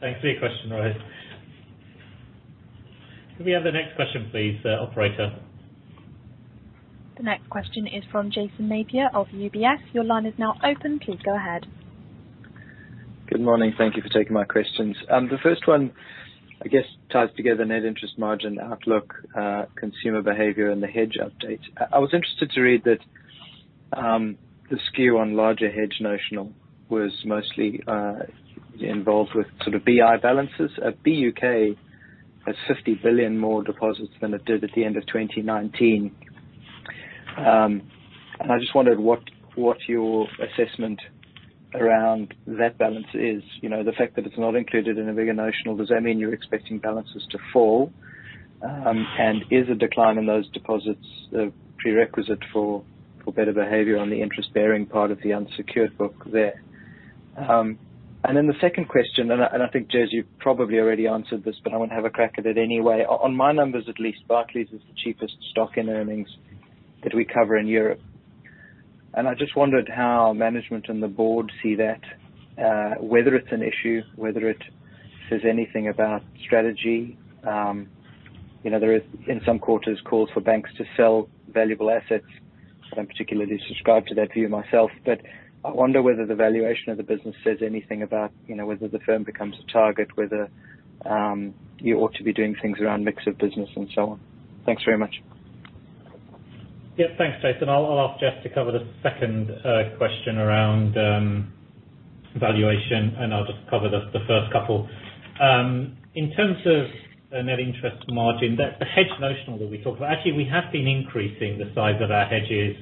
[SPEAKER 2] Thanks for your question, Rohith. Can we have the next question please, operator?
[SPEAKER 3] The next question is from Jason Napier of UBS. Your line is now open. Please go ahead.
[SPEAKER 7] Good morning. Thank you for taking my questions. The first one, I guess ties together net interest margin outlook, consumer behavior and the hedge update. I was interested to read that the skew on larger hedge notional was mostly involved with sort of BI balances. At BUK, it's 50 billion more deposits than it did at the end of 2019. I just wondered what your assessment around that balance is. The fact that it's not included in a bigger notional, does that mean you're expecting balances to fall? Is a decline in those deposits a prerequisite for better behavior on the interest bearing part of the unsecured book there? The second question, and I think, Jes, you probably already answered this, but I want to have a crack at it anyway. On my numbers at least, Barclays is the cheapest stock in earnings that we cover in Europe. I just wondered how management and the board see that, whether it's an issue, whether it says anything about strategy. There is, in some quarters, calls for banks to sell valuable assets. I don't particularly subscribe to that view myself, but I wonder whether the valuation of the business says anything about whether the firm becomes a target, whether you ought to be doing things around mix of business and so on. Thanks very much.
[SPEAKER 2] Thanks, Jason. I'll ask Jes to cover the second question around valuation, and I'll just cover the first couple. In terms of net interest margin, the hedge notional that we talk about, actually, we have been increasing the size of our hedges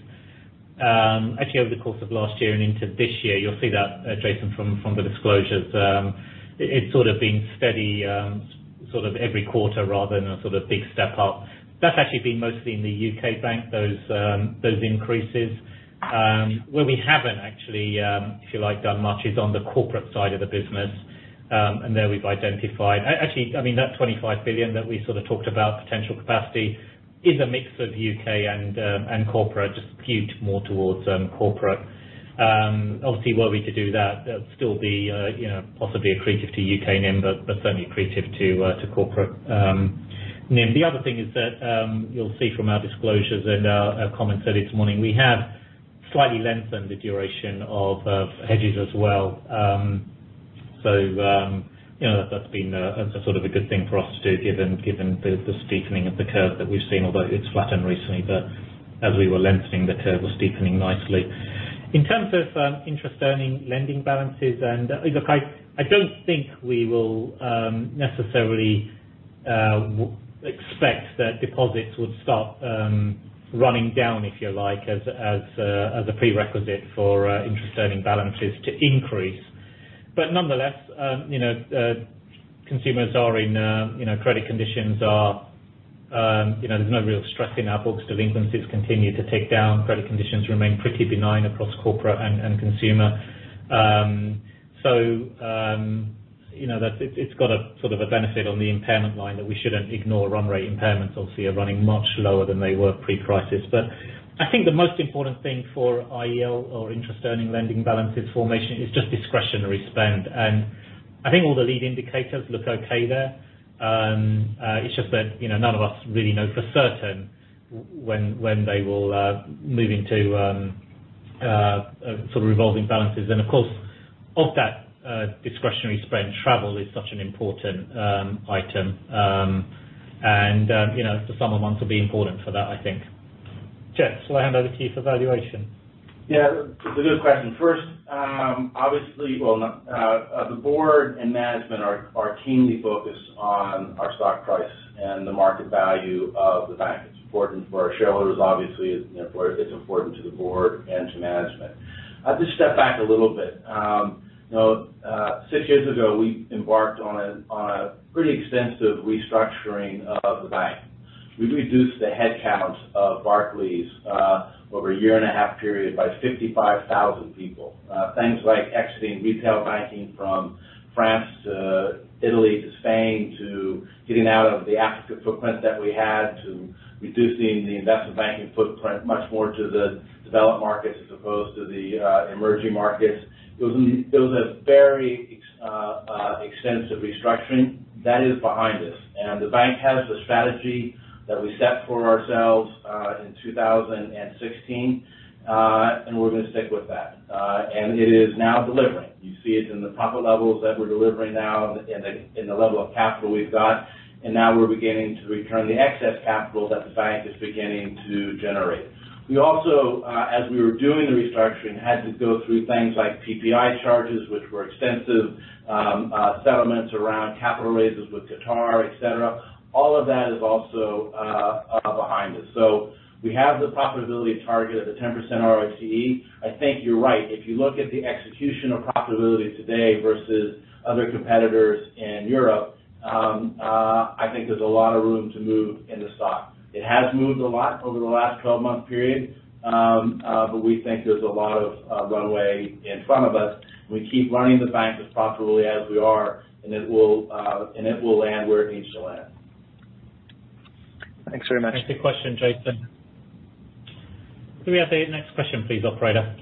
[SPEAKER 2] actually over the course of last year and into this year. You'll see that, Jason, from the disclosures. It's sort of been steady every quarter rather than a big step up. That's actually been mostly in the U.K. bank, those increases. Where we haven't actually, if you like, done much, is on the corporate side of the business. There we've identified. Actually, that 25 billion that we sort of talked about, potential capacity, is a mix of U.K. and corporate, just skewed more towards corporate. Obviously, were we to do that would still be possibly accretive to U.K. NIM, but certainly accretive to corporate NIM. The other thing is that you'll see from our disclosures and our comments earlier this morning, we have slightly lengthened the duration of hedges as well. That's been a good thing for us to do given the steepening of the curve that we've seen. Although it's flattened recently, as we were lengthening, the curve was steepening nicely. In terms of interest earning lending balances, I don't think we will necessarily expect that deposits would start running down, if you like, as a prerequisite for interest earning balances to increase. Nonetheless, there's no real stress in our books. Delinquencies continue to tick down. Credit conditions remain pretty benign across corporate and consumer. It's got a sort of a benefit on the impairment line that we shouldn't ignore. Run rate impairments, obviously, are running much lower than they were pre-crisis. I think the most important thing for IEL, or interest earning lending balances formation, is just discretionary spend. I think all the lead indicators look okay there. It's just that none of us really know for certain when they will move into revolving balances. Of course, of that discretionary spend, travel is such an important item. The summer months will be important for that, I think. Jes, will I hand over to you for valuation?
[SPEAKER 1] Yeah. It's a good question. First, obviously The board and management are keenly focused on our stock price and the market value of the bank. It's important for our shareholders, obviously, it's important to the board and to management. I'll just step back a little bit. Six years ago, we embarked on a pretty extensive restructuring of the bank. We reduced the headcount of Barclays over a year and a half period by 55,000 people. Things like exiting retail banking from France to Italy to Spain to getting out of the Africa footprint that we had to reducing the investment banking footprint much more to the developed markets as opposed to the emerging markets. It was a very extensive restructuring. That is behind us. The bank has the strategy that we set for ourselves in 2016. We're going to stick with that. It is now delivering. You see it in the profit levels that we're delivering now and the level of capital we've got. Now we're beginning to return the excess capital that the bank is beginning to generate. We also, as we were doing the restructuring, had to go through things like PPI charges, which were extensive, settlements around capital raises with Qatar, et cetera. All of that is also behind us. We have the profitability target of the 10% RoTE. I think you're right. If you look at the execution of profitability today versus other competitors in Europe, I think there's a lot of room to move in the stock. It has moved a lot over the last 12-month period. We think there's a lot of runway in front of us. We keep running the bank as profitably as we are, and it will land where it needs to land.
[SPEAKER 7] Thanks very much.
[SPEAKER 2] Thanks for your question, Jason. Can we have the next question please, operator?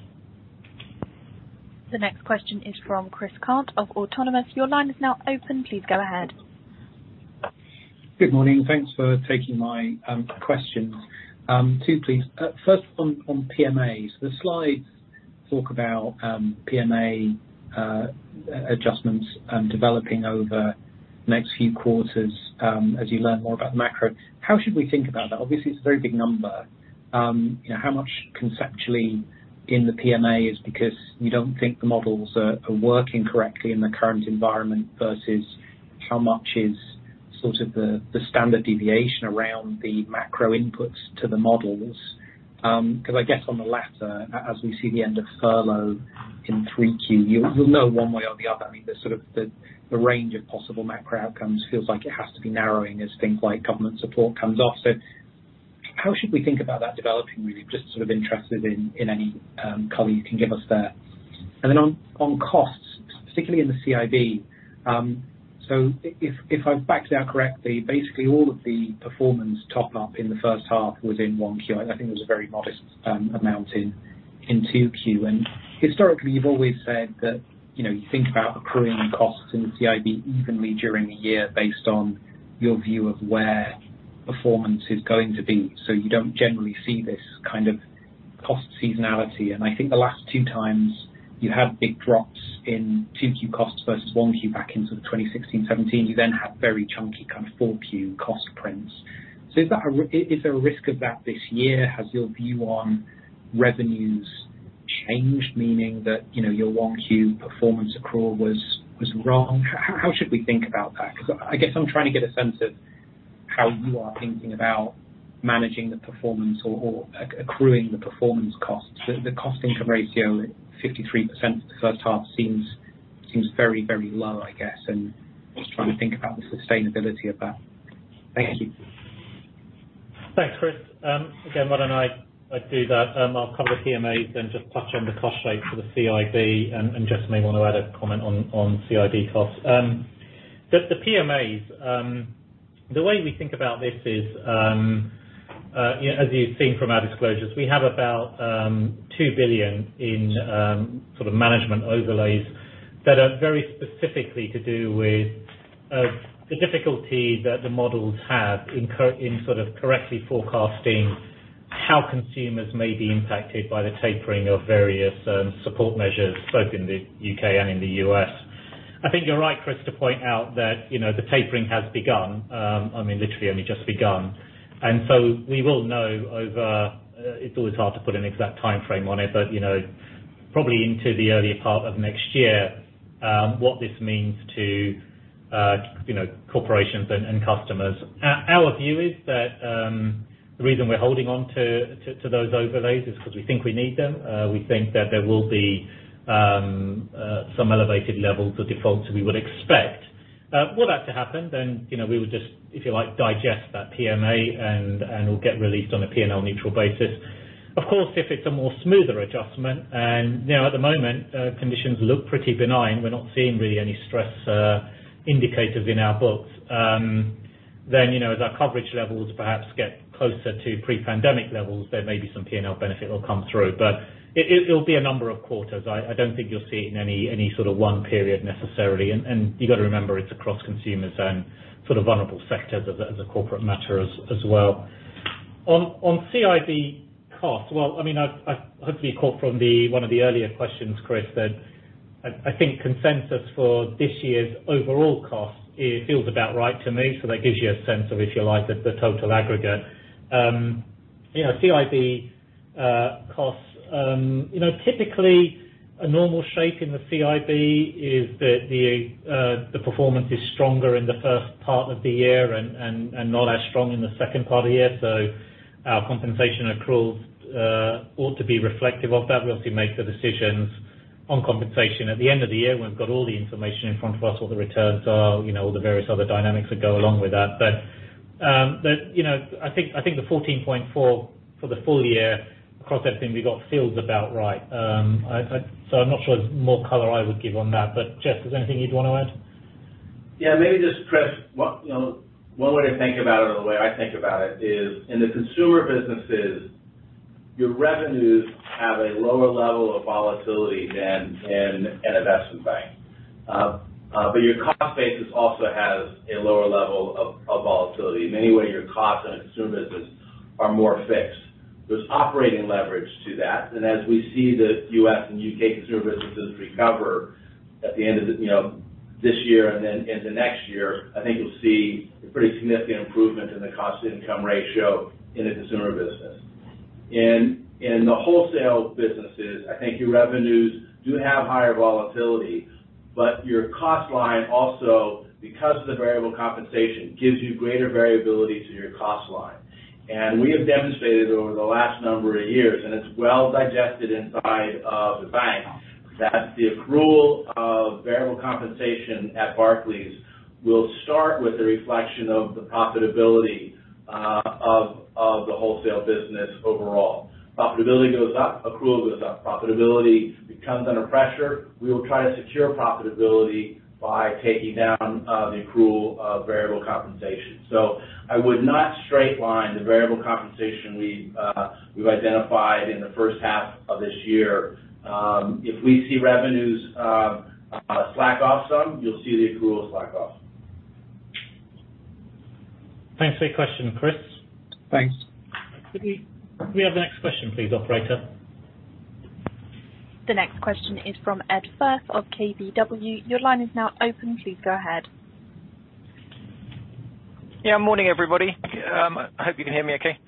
[SPEAKER 3] The next question is from Chris Cant of Autonomous. Your line is now open. Please go ahead.
[SPEAKER 8] Good morning. Thanks for taking my questions. Two, please. First on PMAs. The slides talk about PMA adjustments developing over the next few quarters as you learn more about macro. How should we think about that? Obviously, it's a very big number. How much conceptually in the PMA is because you don't think the models are working correctly in the current environment versus how much is sort of the standard deviation around the macro inputs to the models? I guess on the latter, as we see the end of furlough in 3Q, you'll know one way or the other. I mean, the range of possible macro outcomes feels like it has to be narrowing as things like government support comes off. How should we think about that developing, really? Just sort of interested in any color you can give us there. On costs, particularly in the CIB. If I backed it out correctly, basically all of the performance top-up in the first half was in 1Q. I think there was a very modest amount in 2Q. Historically, you've always said that you think about accruing costs in the CIB evenly during the year based on your view of where performance is going to be. You don't generally see this kind of cost seasonality. I think the last two times you had big drops in 2Q costs versus 1Q back in sort of 2016, 2017, you then had very chunky kind of 4Q cost prints. Is there a risk of that this year? Has your view on revenues changed, meaning that your 1Q performance accrual was wrong? How should we think about that? I guess I'm trying to get a sense of how you are thinking about managing the performance or accruing the performance costs. The cost-to-income ratio at 53% for the first half seems very low, I guess. Just trying to think about the sustainability of that. Thank you.
[SPEAKER 2] Thanks, Chris. Why don't I do that? I'll cover the PMAs then just touch on the cost shape for the CIB. Jes may want to add a comment on CIB costs. The PMAs, the way we think about this is, as you've seen from our disclosures, we have about 2 billion in sort of management overlays that are very specifically to do with the difficulty that the models have in sort of correctly forecasting how consumers may be impacted by the tapering of various support measures, both in the U.K. and in the U.S. I think you're right, Chris, to point out that the tapering has begun. I mean, literally only just begun. We will know over it's always hard to put an exact timeframe on it. Probably into the earlier part of next year, what this means to corporations and customers. Our view is that the reason we're holding on to those overlays is because we think we need them. We think that there will be some elevated levels of defaults we would expect. Were that to happen, we would just, if you like, digest that PMA, and it will get released on a P&L neutral basis. Of course, if it's a more smoother adjustment, at the moment, conditions look pretty benign. We're not seeing really any stress indicators in our books. As our coverage levels perhaps get closer to pre-pandemic levels, there may be some P&L benefit that will come through. It'll be a number of quarters. I don't think you'll see it in any sort of one period necessarily. You got to remember it's across consumers and sort of vulnerable sectors as a corporate matter as well. On CIB costs, well, I mean, I hopefully caught from one of the earlier questions, Chris, that I think consensus for this year's overall cost feels about right to me. That gives you a sense of, if you like, the total aggregate. CIB costs, typically a normal shape in the CIB is that the performance is stronger in the first part of the year and not as strong in the second part of the year. Our compensation accruals ought to be reflective of that. We obviously make the decisions on compensation at the end of the year when we've got all the information in front of us, what the returns are, all the various other dynamics that go along with that. I think the 14.4 billion for the full year across everything we got feels about right. I'm not sure there's more color I would give on that. Jes, there's anything you'd want to add?
[SPEAKER 1] Yeah, maybe just, Chris, one way to think about it, or the way I think about it is in the consumer businesses, your revenues have a lower level of volatility than an investment bank. Your cost base also has a lower level of volatility. In many ways, your costs on a consumer business are more fixed. There's operating leverage to that. As we see the U.S. and U.K. consumer businesses recover at the end of this year and then into next year, I think you'll see a pretty significant improvement in the cost-to-income ratio in a consumer business. In the wholesale businesses, I think your revenues do have higher volatility, but your cost line also, because of the variable compensation, gives you greater variability to your cost line. We have demonstrated over the last number of years, and it's well digested inside of the bank, that the accrual of variable compensation at Barclays will start with a reflection of the profitability of the wholesale business overall. Profitability goes up, accrual goes up. Profitability becomes under pressure, we will try to secure profitability by taking down the accrual of variable compensation. I would not straight line the variable compensation we've identified in the first half of this year. If we see revenues slack off some, you'll see the accrual slack off.
[SPEAKER 2] Thanks for your question, Chris.
[SPEAKER 8] Thanks.
[SPEAKER 2] Could we have the next question please, operator?
[SPEAKER 3] The next question is from Ed Firth of KBW. Your line is now open. Please go ahead.
[SPEAKER 9] Yeah, morning, everybody. I hope you can hear me okay.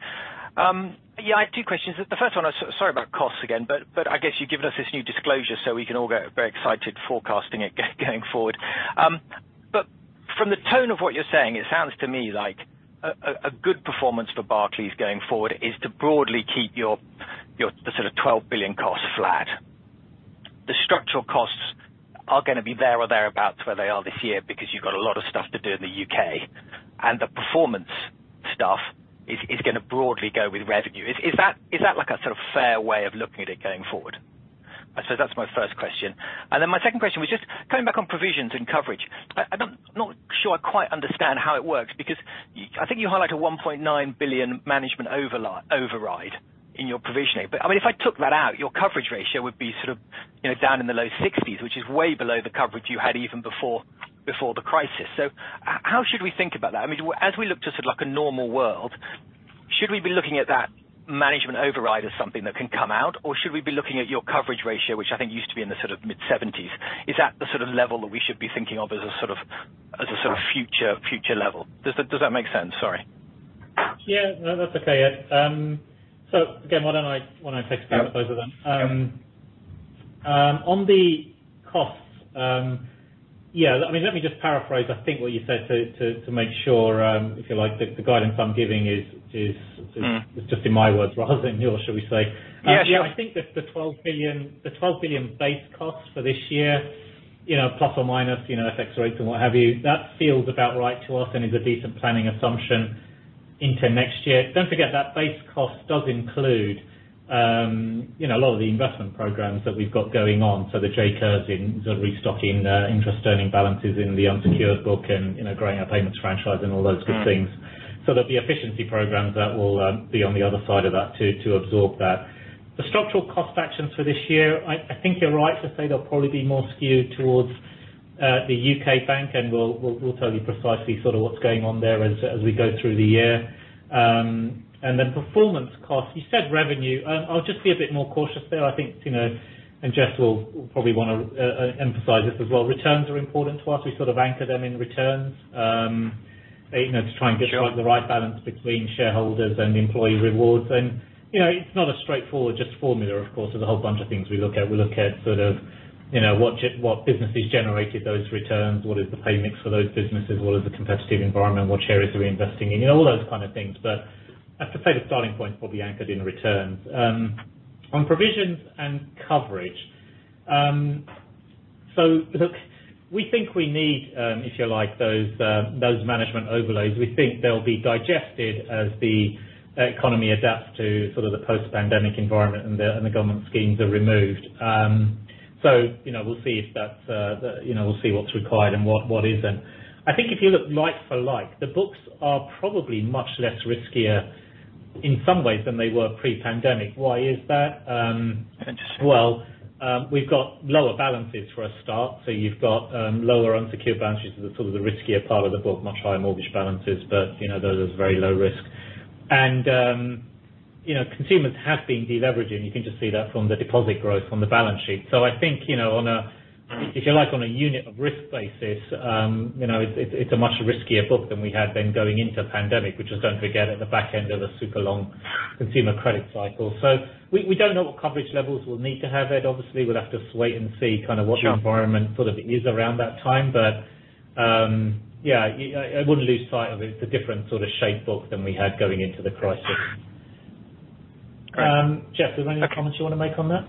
[SPEAKER 9] Yeah, I have two questions. The first one, sorry about costs again. I guess you've given us this new disclosure so we can all get very excited forecasting it going forward. From the tone of what you're saying, it sounds to me like a good performance for Barclays going forward is to broadly keep your sort of 12 billion costs flat. Your costs are going to be there or thereabouts where they are this year because you've got a lot of stuff to do in the U.K. The performance stuff is going to broadly go with revenue. Is that a fair way of looking at it going forward? That's my first question. My second question was just coming back on provisions and coverage. I'm not sure I quite understand how it works, because I think you highlight a 1.9 billion management override in your provision. If I took that out, your coverage ratio would be down in the low 60s, which is way below the coverage you had even before the crisis. How should we think about that? As we look to a normal world, should we be looking at that management override as something that can come out? Should we be looking at your coverage ratio, which I think used to be in the mid 70s? Is that the sort of level that we should be thinking of as a sort of future level? Does that make sense? Sorry.
[SPEAKER 2] Yeah. No, that's okay. Again, why don't I take both of them?
[SPEAKER 9] Yeah.
[SPEAKER 2] On the costs, let me just paraphrase, I think, what you said to make sure, if you like, that the guidance I'm giving is. Just in my words rather than yours, shall we say.
[SPEAKER 9] Yeah.
[SPEAKER 2] I think that the 12 billion base cost for this year, ± FX rates and what have you, that feels about right to us and is a decent planning assumption into next year. Don't forget that base cost does include a lot of the investment programs that we've got going on. The J curves in, the restocking interest earning balances in the unsecured book and growing our payments franchise and all those good things. There'll be efficiency programs that will be on the other side of that too, to absorb that. The structural cost actions for this year, I think you're right to say they'll probably be more skewed towards the U.K. Bank, and we'll tell you precisely what's going on there as we go through the year. Performance cost. You said revenue. I'll just be a bit more cautious there. I think, and Jes will probably want to emphasize this as well, returns are important to us. We anchor them in returns, to try and get-
[SPEAKER 9] Sure.
[SPEAKER 2] The right balance between shareholders and employee rewards. It's not a straightforward just formula, of course. There's a whole bunch of things we look at. We look at what businesses generated those returns. What is the pay mix for those businesses. What is the competitive environment. What shares are we investing in. All those kind of things. I have to say the starting point is probably anchored in returns. On provisions and coverage. Look, we think we need, if you like, those management overlays. We think they'll be digested as the economy adapts to the post-pandemic environment and the government schemes are removed. We'll see what's required and what isn't. I think if you look like for like, the books are probably much less riskier in some ways than they were pre-pandemic. Why is that? Well, we've got lower balances for a start. You've got lower unsecured balances as the riskier part of the book, much higher mortgage balances. Those are very low risk. Consumers have been deleveraging. You can just see that from the deposit growth on the balance sheet. I think, if you like, on a unit of risk basis, it's a much riskier book than we had then going into the pandemic, which was, don't forget, at the back end of a super long consumer credit cycle. We don't know what coverage levels we'll need to have yet. Obviously, we'll have to wait and see what the environment is around that time. Yeah, I wouldn't lose sight of it. It's a different shape book than we had going into the crisis. Jes, is there any other comments you want to make on that?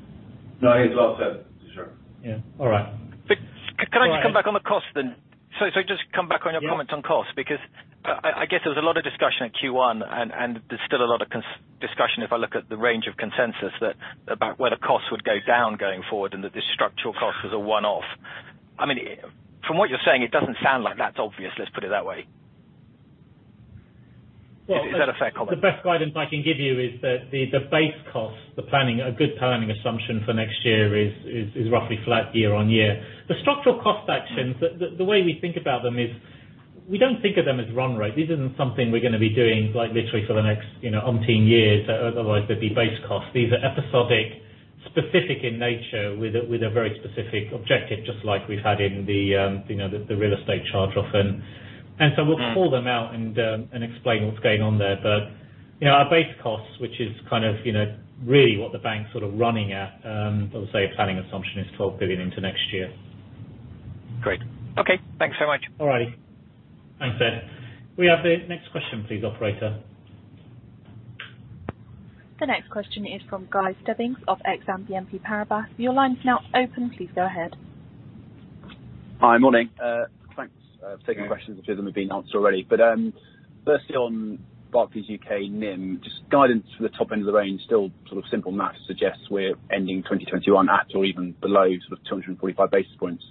[SPEAKER 1] No, he's all set. Sure.
[SPEAKER 2] Yeah. All right.
[SPEAKER 9] Can I just come back on the cost then? Sorry, just come back on your comments on cost. Because I guess there was a lot of discussion at Q1, and there's still a lot of discussion if I look at the range of consensus about whether costs would go down going forward and that this structural cost was a one-off. From what you're saying, it doesn't sound like that's obvious, let's put it that way. Is that a fair comment?
[SPEAKER 2] The best guidance I can give you is that the base cost, a good planning assumption for next year is roughly flat year-over-year. The structural cost actions, the way we think about them is we don't think of them as run rate. This isn't something we're going to be doing like literally for the next umpteen years otherwise they'd be base costs. These are episodic, specific in nature with a very specific objective, just like we've had in the real estate charge-off. We'll call them out and explain what's going on there. Our base costs, which is really what the bank's running at, I would say a planning assumption is 12 billion into next year.
[SPEAKER 9] Great. Okay. Thanks so much.
[SPEAKER 2] All right. Thanks, Ed. Can we have the next question please, operator?
[SPEAKER 3] The next question is from Guy Stebbings of Exane BNP Paribas. Your line is now open. Please go ahead.
[SPEAKER 10] Hi. Morning. Thanks. I've taken questions, which of them have been answered already. Firstly on Barclays U.K. NIM, just guidance for the top end of the range, still simple math suggests we're ending 2021 at or even below 245 basis points.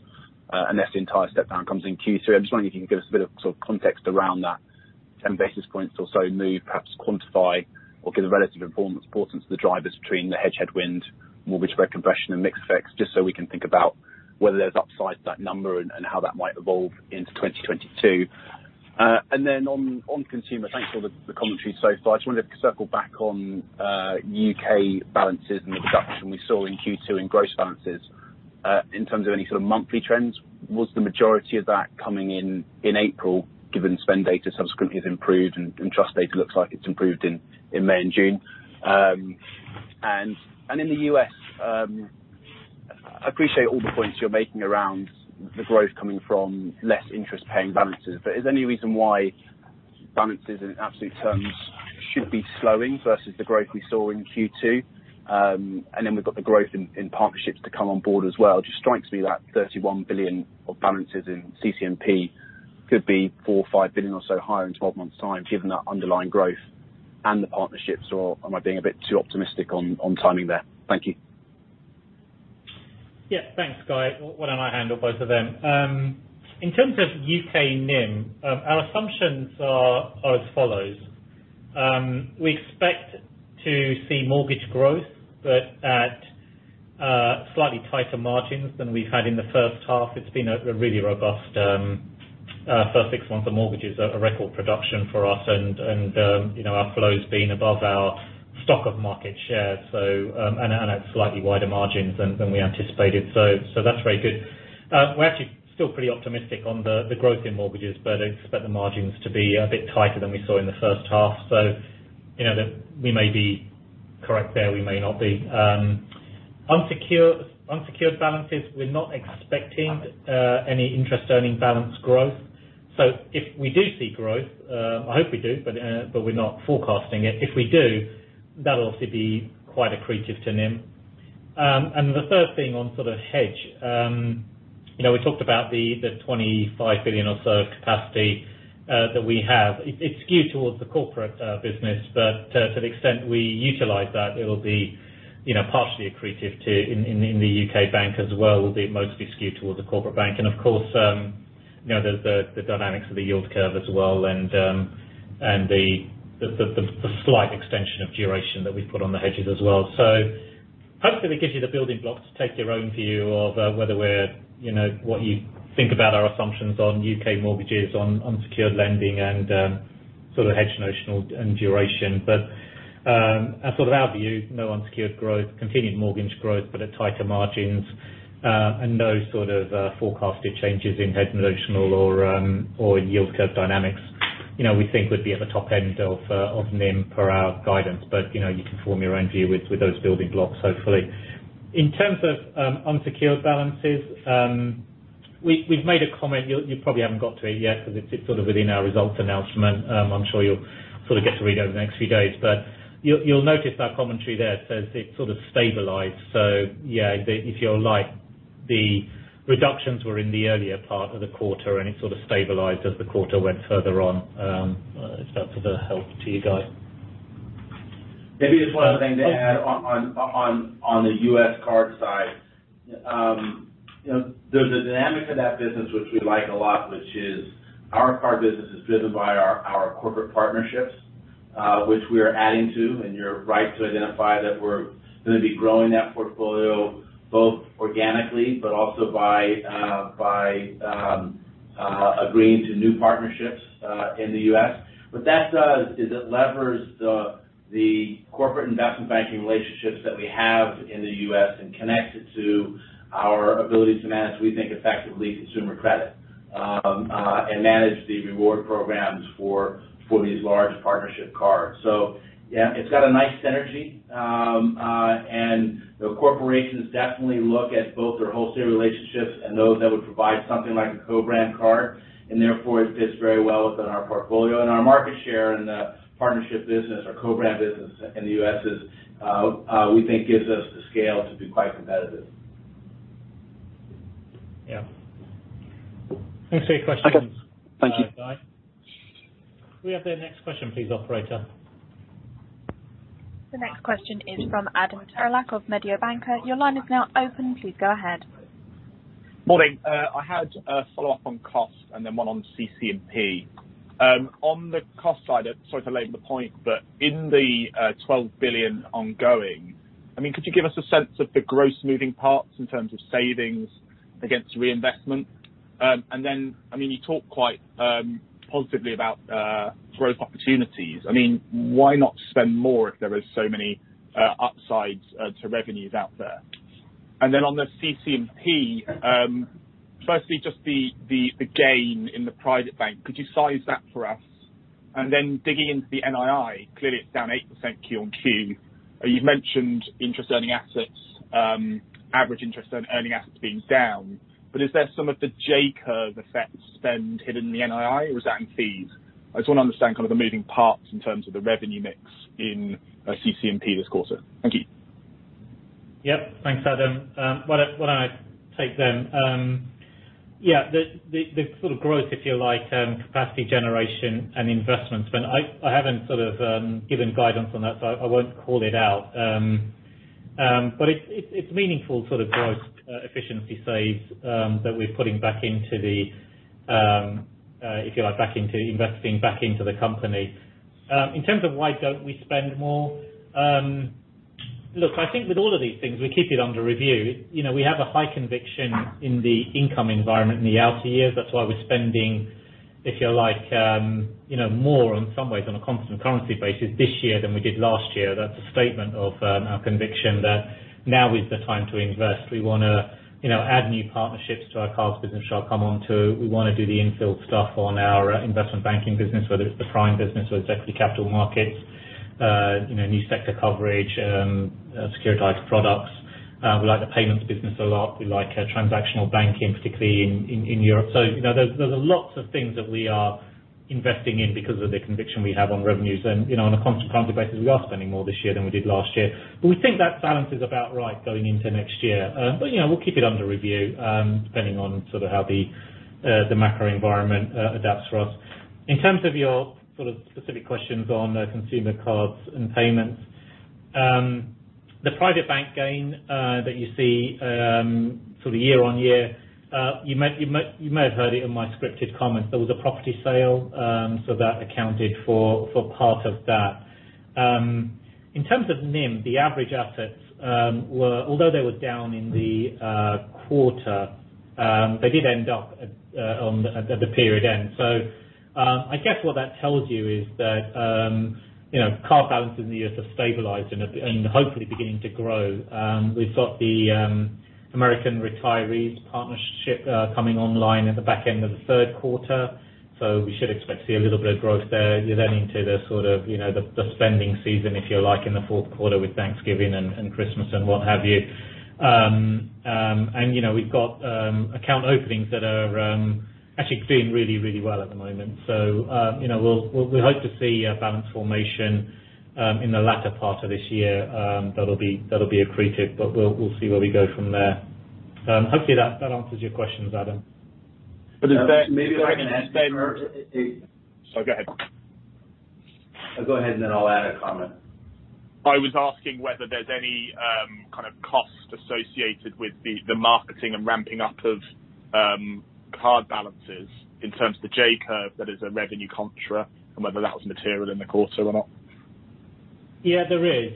[SPEAKER 10] Unless the entire step down comes in Q3. I'm just wondering if you can give us a bit of context around that 10 basis points or so move, perhaps quantify or give the relative importance to the drivers between the hedge headwind, mortgage recompression, and mix effects, just so we can think about whether there's upside to that number and how that might evolve into 2022. Then on consumer, thanks for the commentary so far. I just wanted to circle back on U.K. balances and the reduction we saw in Q2 in gross balances. In terms of any sort of monthly trends, was the majority of that coming in in April, given spend data subsequently has improved and trust data looks like it's improved in May and June? In the U.S., I appreciate all the points you're making around the growth coming from less interest paying balances, but is there any reason why balances in absolute terms should be slowing versus the growth we saw in Q2? Then we've got the growth in partnerships to come on board as well. Just strikes me that 31 billion of balances in CC&P could be 4 billion or 5 billion or so higher in 12 months' time, given that underlying growth and the partnerships. Am I being a bit too optimistic on timing there? Thank you.
[SPEAKER 2] Thanks, Guy. Why don't I handle both of them? In terms of U.K. NIM, our assumptions are as follows. We expect to see mortgage growth, but at slightly tighter margins than we've had in the first half. It's been a really robust first six months of mortgages, a record production for us, and our flow's been above our stock of market share, and at slightly wider margins than we anticipated. That's very good. We're actually still pretty optimistic on the growth in mortgages, but expect the margins to be a bit tighter than we saw in the first half. We may be correct there, we may not be. Unsecured balances, we're not expecting any interest earning balance growth. If we do see growth, I hope we do, but we're not forecasting it. If we do, that'll obviously be quite accretive to NIM. The third thing on sort of hedge. We talked about the 25 billion or so of capacity that we have. It's skewed towards the corporate business, to the extent we utilize that, it'll be partially accretive in the U.K. bank as well, will be mostly skewed towards the Corporate Bank. Of course, there's the dynamics of the yield curve as well, and the slight extension of duration that we've put on the hedges as well. Hopefully, that gives you the building blocks to take your own view of what you think about our assumptions on U.K. Mortgages, on unsecured lending, and sort of hedge notional and duration. Our view, no unsecured growth, continued mortgage growth but at tighter margins, and no forecasted changes in hedge notional or in yield curve dynamics. We think we'd be at the top end of NIM per our guidance. You can form your own view with those building blocks, hopefully. In terms of unsecured balances, we have made a comment, you probably haven't got to it yet because it is within our results announcement. I am sure you will get to read over the next few days. You will notice our commentary there says it sort of stabilized. Yeah, if you like, the reductions were in the earlier part of the quarter, and it sort of stabilized as the quarter went further on. If that is of help to you Guy.
[SPEAKER 1] Maybe just one other thing to add on the U.S. card side. There's a dynamic of that business which we like a lot, which is our card business is driven by our corporate partnerships, which we are adding to, and you're right to identify that we're going to be growing that portfolio both organically but also by agreeing to new partnerships in the U.S. What that does is it levers the corporate investment banking relationships that we have in the U.S. and connects it to our ability to manage, we think, effectively consumer credit, and manage the reward programs for these large partnership cards. Yeah, it's got a nice synergy. The corporations definitely look at both their wholesale relationships and those that would provide something like a co-brand card, and therefore it fits very well within our portfolio. Our market share in the partnership business or co-brand business in the U.S. we think gives us the scale to be quite competitive.
[SPEAKER 2] Yeah. Thanks for your questions.
[SPEAKER 10] Okay. Thank you.
[SPEAKER 2] Guy. Can we have the next question please, operator?
[SPEAKER 3] The next question is from Adam Terelak of Mediobanca. Your line is now open. Please go ahead.
[SPEAKER 11] Morning. I had a follow-up on cost and then one on CC&P. On the cost side, sorry to labor the point, in the 12 billion ongoing, could you give us a sense of the gross moving parts in terms of savings against reinvestment? You talk quite positively about growth opportunities. Why not spend more if there are so many upsides to revenues out there? On the CC&P, firstly, just the gain in the private bank. Could you size that for us? Digging into the NII, clearly it's down 8% QoQ. You've mentioned average interest earning assets being down. Is there some of the J curve effect spend hidden in the NII, or is that in fees? I just want to understand kind of the moving parts in terms of the revenue mix in CC&P this quarter. Thank you.
[SPEAKER 2] Yep. Thanks, Adam. Why don't I take them? Yeah. The sort of growth, if you like, capacity generation and investments. I haven't given guidance on that, so I won't call it out. It's meaningful sort of growth efficiency saves that we're putting back into the, if you like, investing back into the company. In terms of why don't we spend more? Look, I think with all of these things, we keep it under review. We have a high conviction in the income environment in the outer years. That's why we're spending, if you like, more in some ways on a constant currency basis this year than we did last year. That's a statement of our conviction that now is the time to invest. We want to add new partnerships to our cards business, which I'll come onto. We want to do the infill stuff on our investment banking business, whether it's the prime business or it's equity capital markets. New sector coverage, securitized products. We like the payments business a lot. We like transactional banking, particularly in Europe. There's a lot of things that we are investing in because of the conviction we have on revenues. On a constant currency basis, we are spending more this year than we did last year. We think that balance is about right going into next year. Yeah, we'll keep it under review, depending on how the macro environment adapts for us. In terms of your specific questions on Consumer, Cards and Payments. The private bank gain that you see year-over-year, you may have heard it in my scripted comments. There was a property sale, so that accounted for part of that. In terms of NIM, the average assets, although they were down in the quarter, they did end up at the period end. I guess what that tells you is that card balances in the U.S. have stabilized and are hopefully beginning to grow. We've got the American Retirees partnership coming online at the back end of the third quarter. We should expect to see a little bit of growth there leading into the spending season, if you like, in the fourth quarter with Thanksgiving and Christmas and what have you. We've got account openings that are actually doing really well at the moment. We hope to see balance formation in the latter part of this year. That'll be accretive, but we'll see where we go from there. Hopefully that answers your questions, Adam.
[SPEAKER 11] But is there-
[SPEAKER 1] Maybe if I can ask first.
[SPEAKER 11] Sorry, go ahead.
[SPEAKER 1] Go ahead, and then I'll add a comment.
[SPEAKER 11] I was asking whether there's any kind of cost associated with the marketing and ramping up of card balances in terms of the J-curve that is a revenue contra, and whether that was material in the quarter or not.
[SPEAKER 2] Yeah, there is.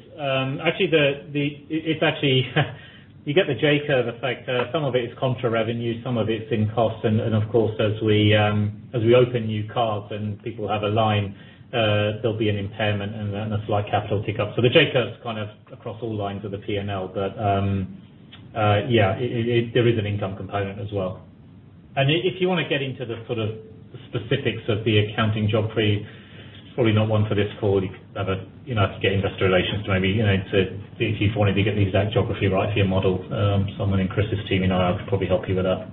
[SPEAKER 2] You get the J-curve effect. Some of it is contra revenue, some of it's in cost. Of course, as we open new cards and people have a line, there'll be an impairment and a slight capital tick up. The J-curve's kind of across all lines of the P&L. Yeah, there is an income component as well. If you want to get into the sort of specifics of the accounting geography, it's probably not one for this call. You'd have to get investor relations to maybe if you want to get the exact geography right for your model. Someone in Chris's team in IR could probably help you with that.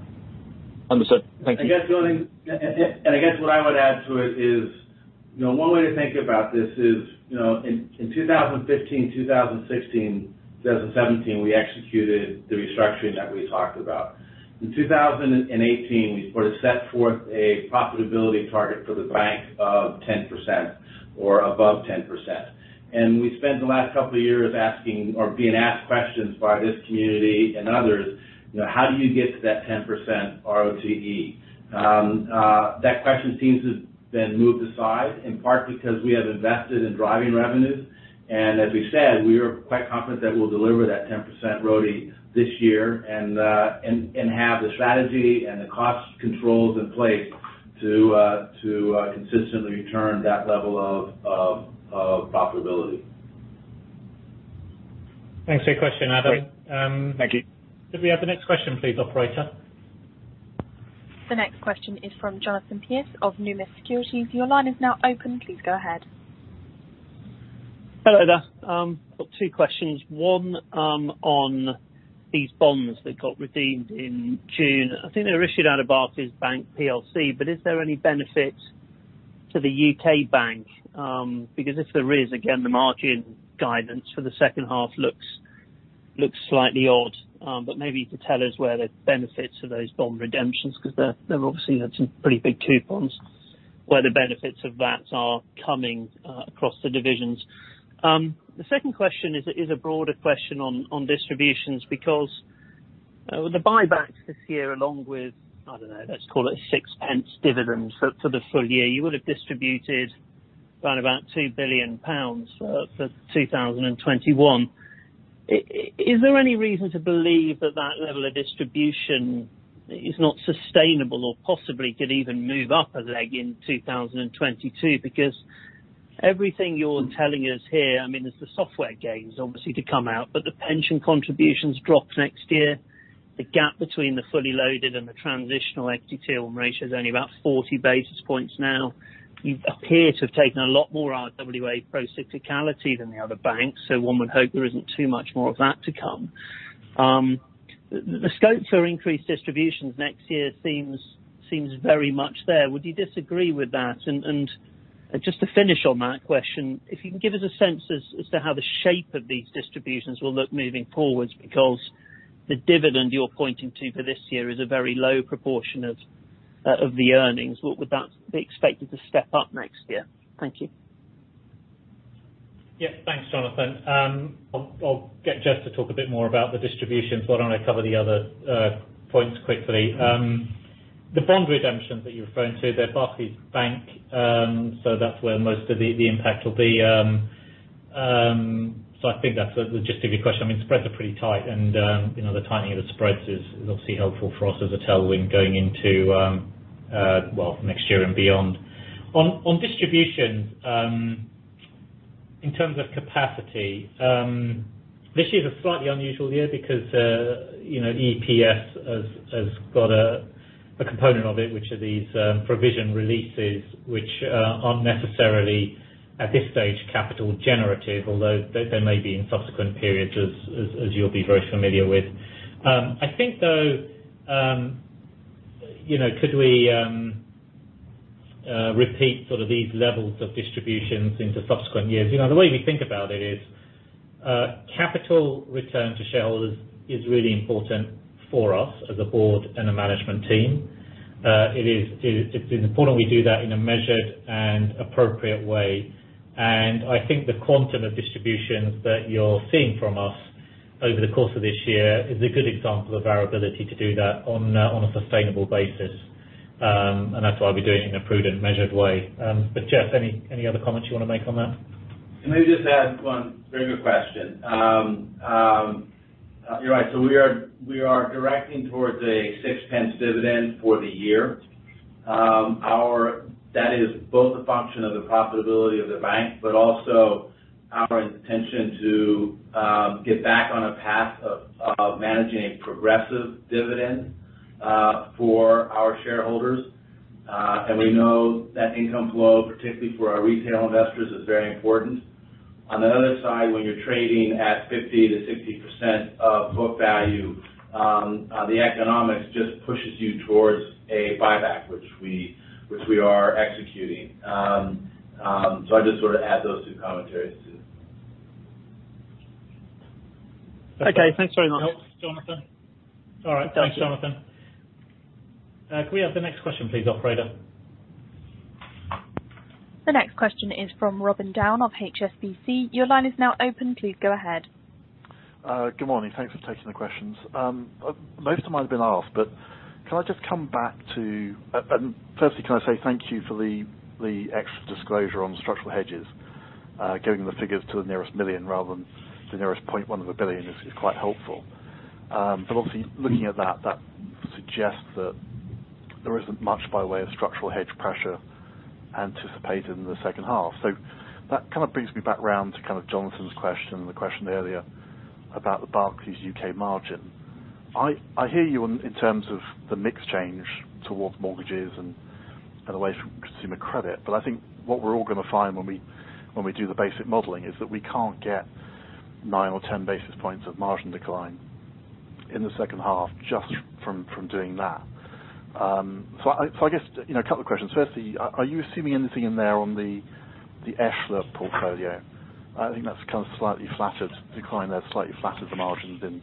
[SPEAKER 11] Understood. Thank you.
[SPEAKER 1] I guess what I would add to it is, one way to think about this is, in 2015, 2016, 2017, we executed the restructuring that we talked about. In 2018, we set forth a profitability target for the bank of 10% or above 10%. We spent the last couple of years asking or being asked questions by this community and others, "How do you get to that 10% RoTE?" That question seems to have been moved aside, in part because we have invested in driving revenues. As we've said, we are quite confident that we'll deliver that 10% RoTE this year and have the strategy and the cost controls in place to consistently return that level of profitability.
[SPEAKER 2] Thanks for your question, Adam.
[SPEAKER 11] Thank you.
[SPEAKER 2] Could we have the next question please, operator?
[SPEAKER 3] The next question is from Jonathan Pierce of Numis Securities. Your line is now open. Please go ahead.
[SPEAKER 12] Hello there. I've got two questions. One on these bonds that got redeemed in June. I think they were issued out of Barclays Bank PLC. Is there any benefit to the U.K. bank? If there is, again, the margin guidance for the second half looks slightly odd. Maybe you could tell us where the benefits of those bond redemptions, because they've obviously had some pretty big coupons, where the benefits of that are coming across the divisions. The second question is a broader question on distributions because with the buybacks this year, along with, I don't know, let's call it 0.06 dividends for the full year, you would have distributed around about 2 billion pounds for 2021. Is there any reason to believe that that level of distribution is not sustainable or possibly could even move up a leg in 2022? Everything you're telling us here, there's the software gains obviously to come out, but the pension contributions drop next year. The gap between the fully loaded and the transitional equity ratio is only about 40 basis points now. You appear to have taken a lot more RWAs procyclicality than the other banks, one would hope there isn't too much more of that to come. The scope for increased distributions next year seems very much there. Would you disagree with that? Just to finish on that question, if you can give us a sense as to how the shape of these distributions will look moving forwards, the dividend you're pointing to for this year is a very low proportion of the earnings. Would that be expected to step up next year? Thank you.
[SPEAKER 2] Yeah. Thanks, Jonathan. I'll get Jes to talk a bit more about the distributions while I cover the other points quickly. The bond redemptions that you're referring to, they're Barclays Bank. That's where most of the impact will be. I think that's a logistic question. Spreads are pretty tight and the tightening of the spreads is obviously helpful for us as a tailwind going into next year and beyond. On distribution, in terms of capacity, this year is a slightly unusual year because EPS has got a component of it, which are these provision releases, which aren't necessarily, at this stage, capital generative, although they may be in subsequent periods as you'll be very familiar with. I think though, could we repeat these levels of distributions into subsequent years? The way we think about it is, capital return to shareholders is really important for us as a board and a management team. It's important we do that in a measured and appropriate way. I think the quantum of distributions that you're seeing from us over the course of this year is a good example of our ability to do that on a sustainable basis. That's why we do it in a prudent, measured way. Jes, any other comments you want to make on that?
[SPEAKER 1] Let me just add one. Very good question. You're right. We are directing towards a 0.06 dividend for the year. That is both a function of the profitability of the bank, but also our intention to get back on a path of managing a progressive dividend for our shareholders. We know that income flow, particularly for our retail investors, is very important. On the other side, when you're trading at 50%-60% of book value, the economics just pushes you towards a buyback, which we are executing. I just sort of add those two commentaries to.
[SPEAKER 2] Okay. Thanks very much. Jonathan. All right. Thanks, Jonathan. Can we have the next question please, operator?
[SPEAKER 3] The next question is from Robin Down of HSBC. Your line is now open. Please go ahead.
[SPEAKER 13] Good morning. Thanks for taking the questions. Most of mine have been asked. Can I just come back to firstly, can I say thank you for the extra disclosure on structural hedges. Giving the figures to the nearest 1 million rather than the nearest 0.1 billion is quite helpful. Obviously looking at that suggests that there isn't much by way of structural hedge pressure anticipated in the second half. That kind of brings me back round to kind of Jonathan's question and the question earlier about the Barclays U.K. margin. I hear you in terms of the mix change towards mortgages and away from consumer credit, but I think what we're all going to find when we do the basic modeling is that we can't get 9 or 10 basis points of margin decline in the second half just from doing that. I guess a couple of questions. Firstly, are you assuming anything in there on the ESHLA portfolio? I think that's slightly flattered decline there, slightly flattered the margins in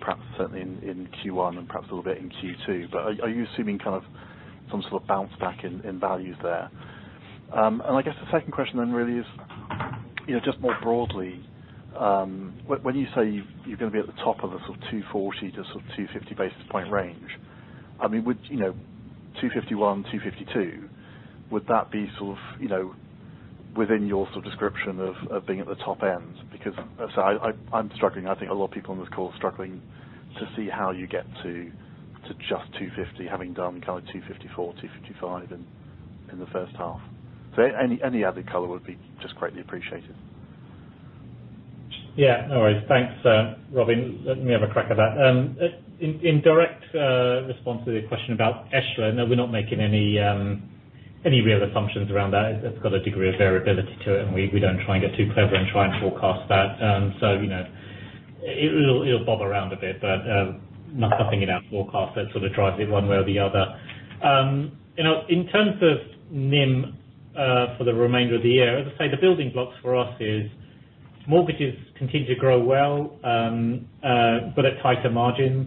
[SPEAKER 13] perhaps certainly in Q1 and perhaps a little bit in Q2. Are you assuming some sort of bounce back in values there? I guess the second question is, just more broadly, when you say you're going to be at the top of the 240-250 basis point range. Would 251, 252, would that be within your description of being at the top end? I'm struggling, I think a lot of people on this call are struggling to see how you get to just 250 having done 254, 255 in the first half. Any added color would be just greatly appreciated.
[SPEAKER 2] Yeah. No worries. Thanks, Robin. Let me have a crack at that. In direct response to the question about ESHLA. No, we're not making any real assumptions around that. It's got a degree of variability to it, and we don't try and get too clever and try and forecast that. It'll bob around a bit, but nothing in our forecast that sort of drives it one way or the other. In terms of NIM for the remainder of the year, as I say, the building blocks for us is mortgages continue to grow well, but at tighter margins.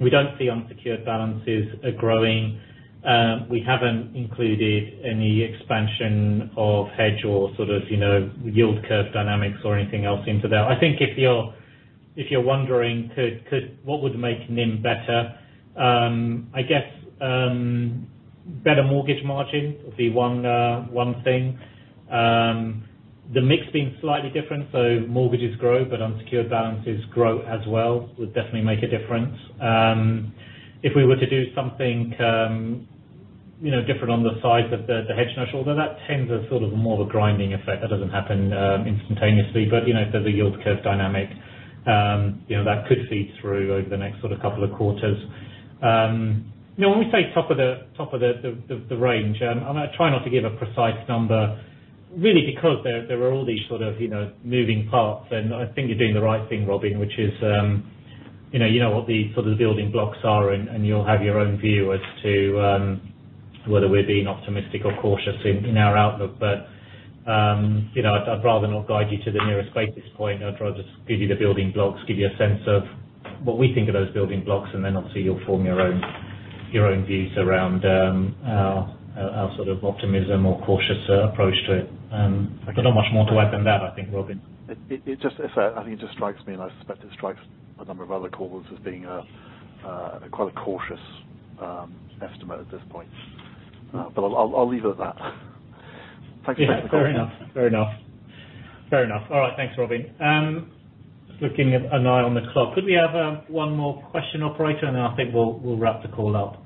[SPEAKER 2] We don't see unsecured balances growing. We haven't included any expansion of hedge or yield curve dynamics or anything else into that. I think if you're wondering what would make NIM better, I guess, better mortgage margins would be one thing. The mix being slightly different, so mortgages grow, but unsecured balances grow as well, would definitely make a difference. If we were to do something different on the size of the hedge notional, although that tends as sort of more of a grinding effect. That doesn't happen instantaneously. If there's a yield curve dynamic that could feed through over the next couple of quarters. When we say top of the range, I try not to give a precise number really because there are all these sort of moving parts, and I think you're doing the right thing, Robin, which is you know what the sort of building blocks are and you'll have your own view as to whether we're being optimistic or cautious in our outlook. I'd rather not guide you to the nearest basis point. I'd rather just give you the building blocks, give you a sense of what we think of those building blocks, and then obviously you'll form your own views around our sort of optimism or cautious approach to it. I've got not much more to add than that, I think, Robin.
[SPEAKER 13] I think it just strikes me, and I suspect it strikes a number of other callers as being quite a cautious estimate at this point. I'll leave it at that. Thank you.
[SPEAKER 2] Yeah. Fair enough. All right. Thanks, Robin. Just looking an eye on this clock. Could we have one more question, operator, and then I think we'll wrap the call up.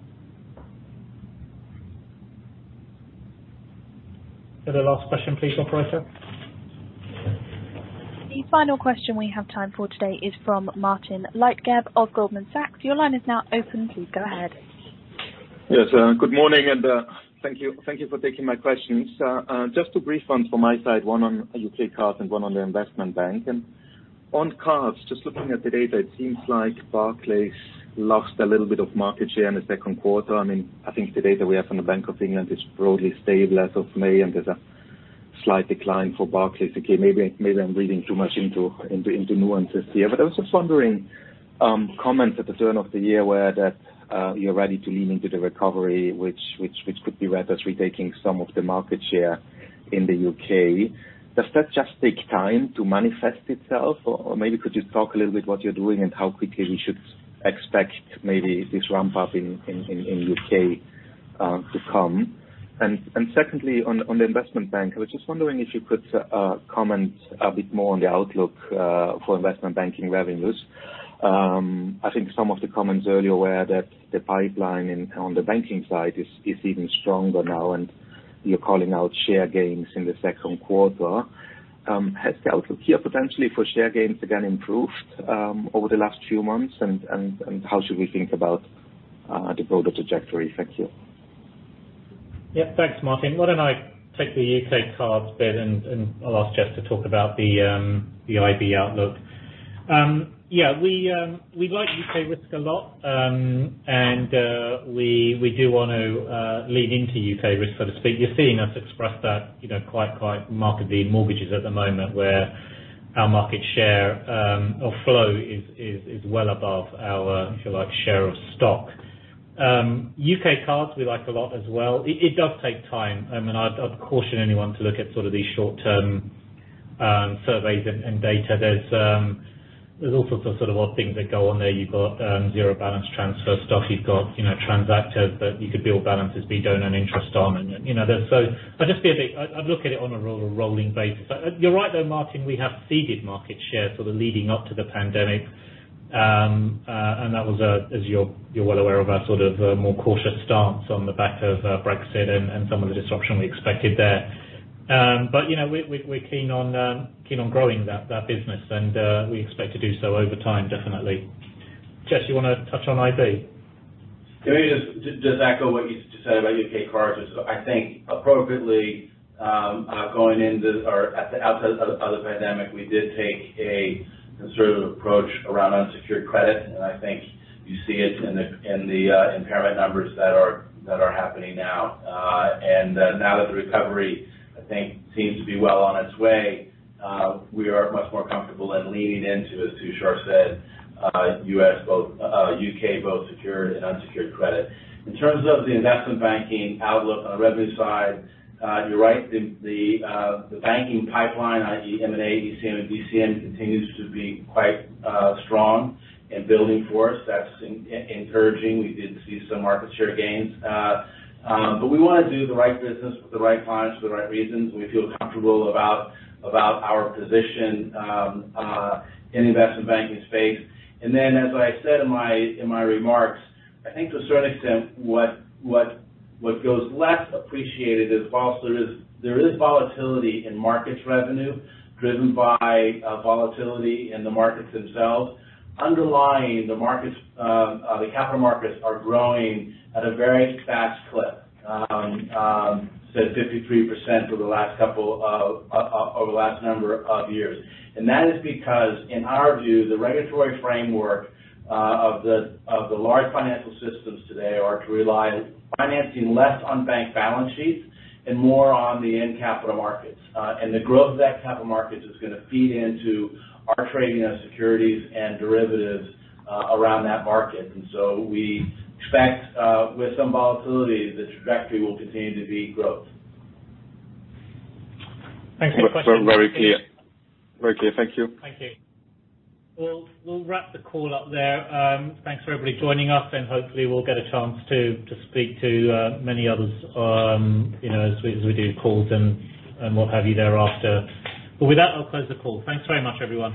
[SPEAKER 2] The last question please, operator.
[SPEAKER 3] The final question we have time for today is from Martin Leitgeb of Goldman Sachs. Your line is now open. Please go ahead.
[SPEAKER 14] Yes. Good morning, and thank you for taking my questions. Just two brief ones from my side, one on U.K. cards and one on the investment bank. On cards, just looking at the data, it seems like Barclays lost a little bit of market share in the second quarter. I think the data we have from the Bank of England is broadly stable as of May, and there's a slight decline for Barclays. Okay, maybe I'm reading too much into nuances here. I was just wondering, comments at the turn of the year were that you're ready to lean into the recovery, which could be read as retaking some of the market share in the U.K. Does that just take time to manifest itself? Maybe could you talk a little bit what you're doing and how quickly we should expect maybe this ramp up in U.K. to come? Secondly, on the investment bank, I was just wondering if you could comment a bit more on the outlook for investment banking revenues. I think some of the comments earlier were that the pipeline on the banking side is even stronger now, and you're calling out share gains in the second quarter. Has the outlook here potentially for share gains again improved over the last few months? How should we think about the broader trajectory? Thank you.
[SPEAKER 2] Thanks, Martin. Why don't I take the U.K. cards bit, and I'll ask Jes to talk about the IB outlook. We like U.K. risk a lot, and we do want to lean into U.K. risk, so to speak. You're seeing us express that quite markedly in mortgages at the moment, where our market share or flow is well above our, if you like, share of stock. U.K. cards we like a lot as well. It does take time, and I'd caution anyone to look at sort of these short-term surveys and data. There's all sorts of sort of odd things that go on there. You've got zero balance transfer stuff. You've got transactors that you could build balances, but you don't earn interest on. I'd look at it on a rolling basis. You're right, though, Martin, we have ceded market share sort of leading up to the pandemic, and that was, as you're well aware, of our sort of more cautious stance on the back of Brexit and some of the disruption we expected there. We're keen on growing that business and we expect to do so over time, definitely. Jes, you want to touch on IB?
[SPEAKER 1] Maybe just to echo what you just said about U.K. cards. I think appropriately, going in this or at the outset of the pandemic, we did take a conservative approach around unsecured credit, and I think you see it in the impairment numbers that are happening now. Now that the recovery, I think, seems to be well on its way, we are much more comfortable in leaning into, as Tushar said, U.K. both secured and unsecured credit. In terms of the investment banking outlook on the revenue side, you're right, the banking pipeline, i.e. M&A, ECM, and DCM continues to be quite strong and building for us. That's encouraging. We did see some market share gains. We want to do the right business with the right clients for the right reasons, and we feel comfortable about our position in the investment banking space. Then, as I said in my remarks, I think to a certain extent, what goes less appreciated is whilst there is volatility in markets revenue driven by volatility in the markets themselves, underlying the capital markets are growing at a very fast clip, say 53% over the last number of years. That is because, in our view, the regulatory framework of the large financial systems today are to rely financing less on bank balance sheets and more on the end capital markets. The growth of that capital markets is going to feed into our trading of securities and derivatives around that market. So we expect, with some volatility, the trajectory will continue to be growth.
[SPEAKER 2] Thanks for the question.
[SPEAKER 14] Very clear. Thank you.
[SPEAKER 2] Thank you. We'll wrap the call up there. Thanks for everybody joining us, and hopefully we'll get a chance to speak to many others as we do calls and what have you thereafter. With that, I'll close the call. Thanks very much, everyone.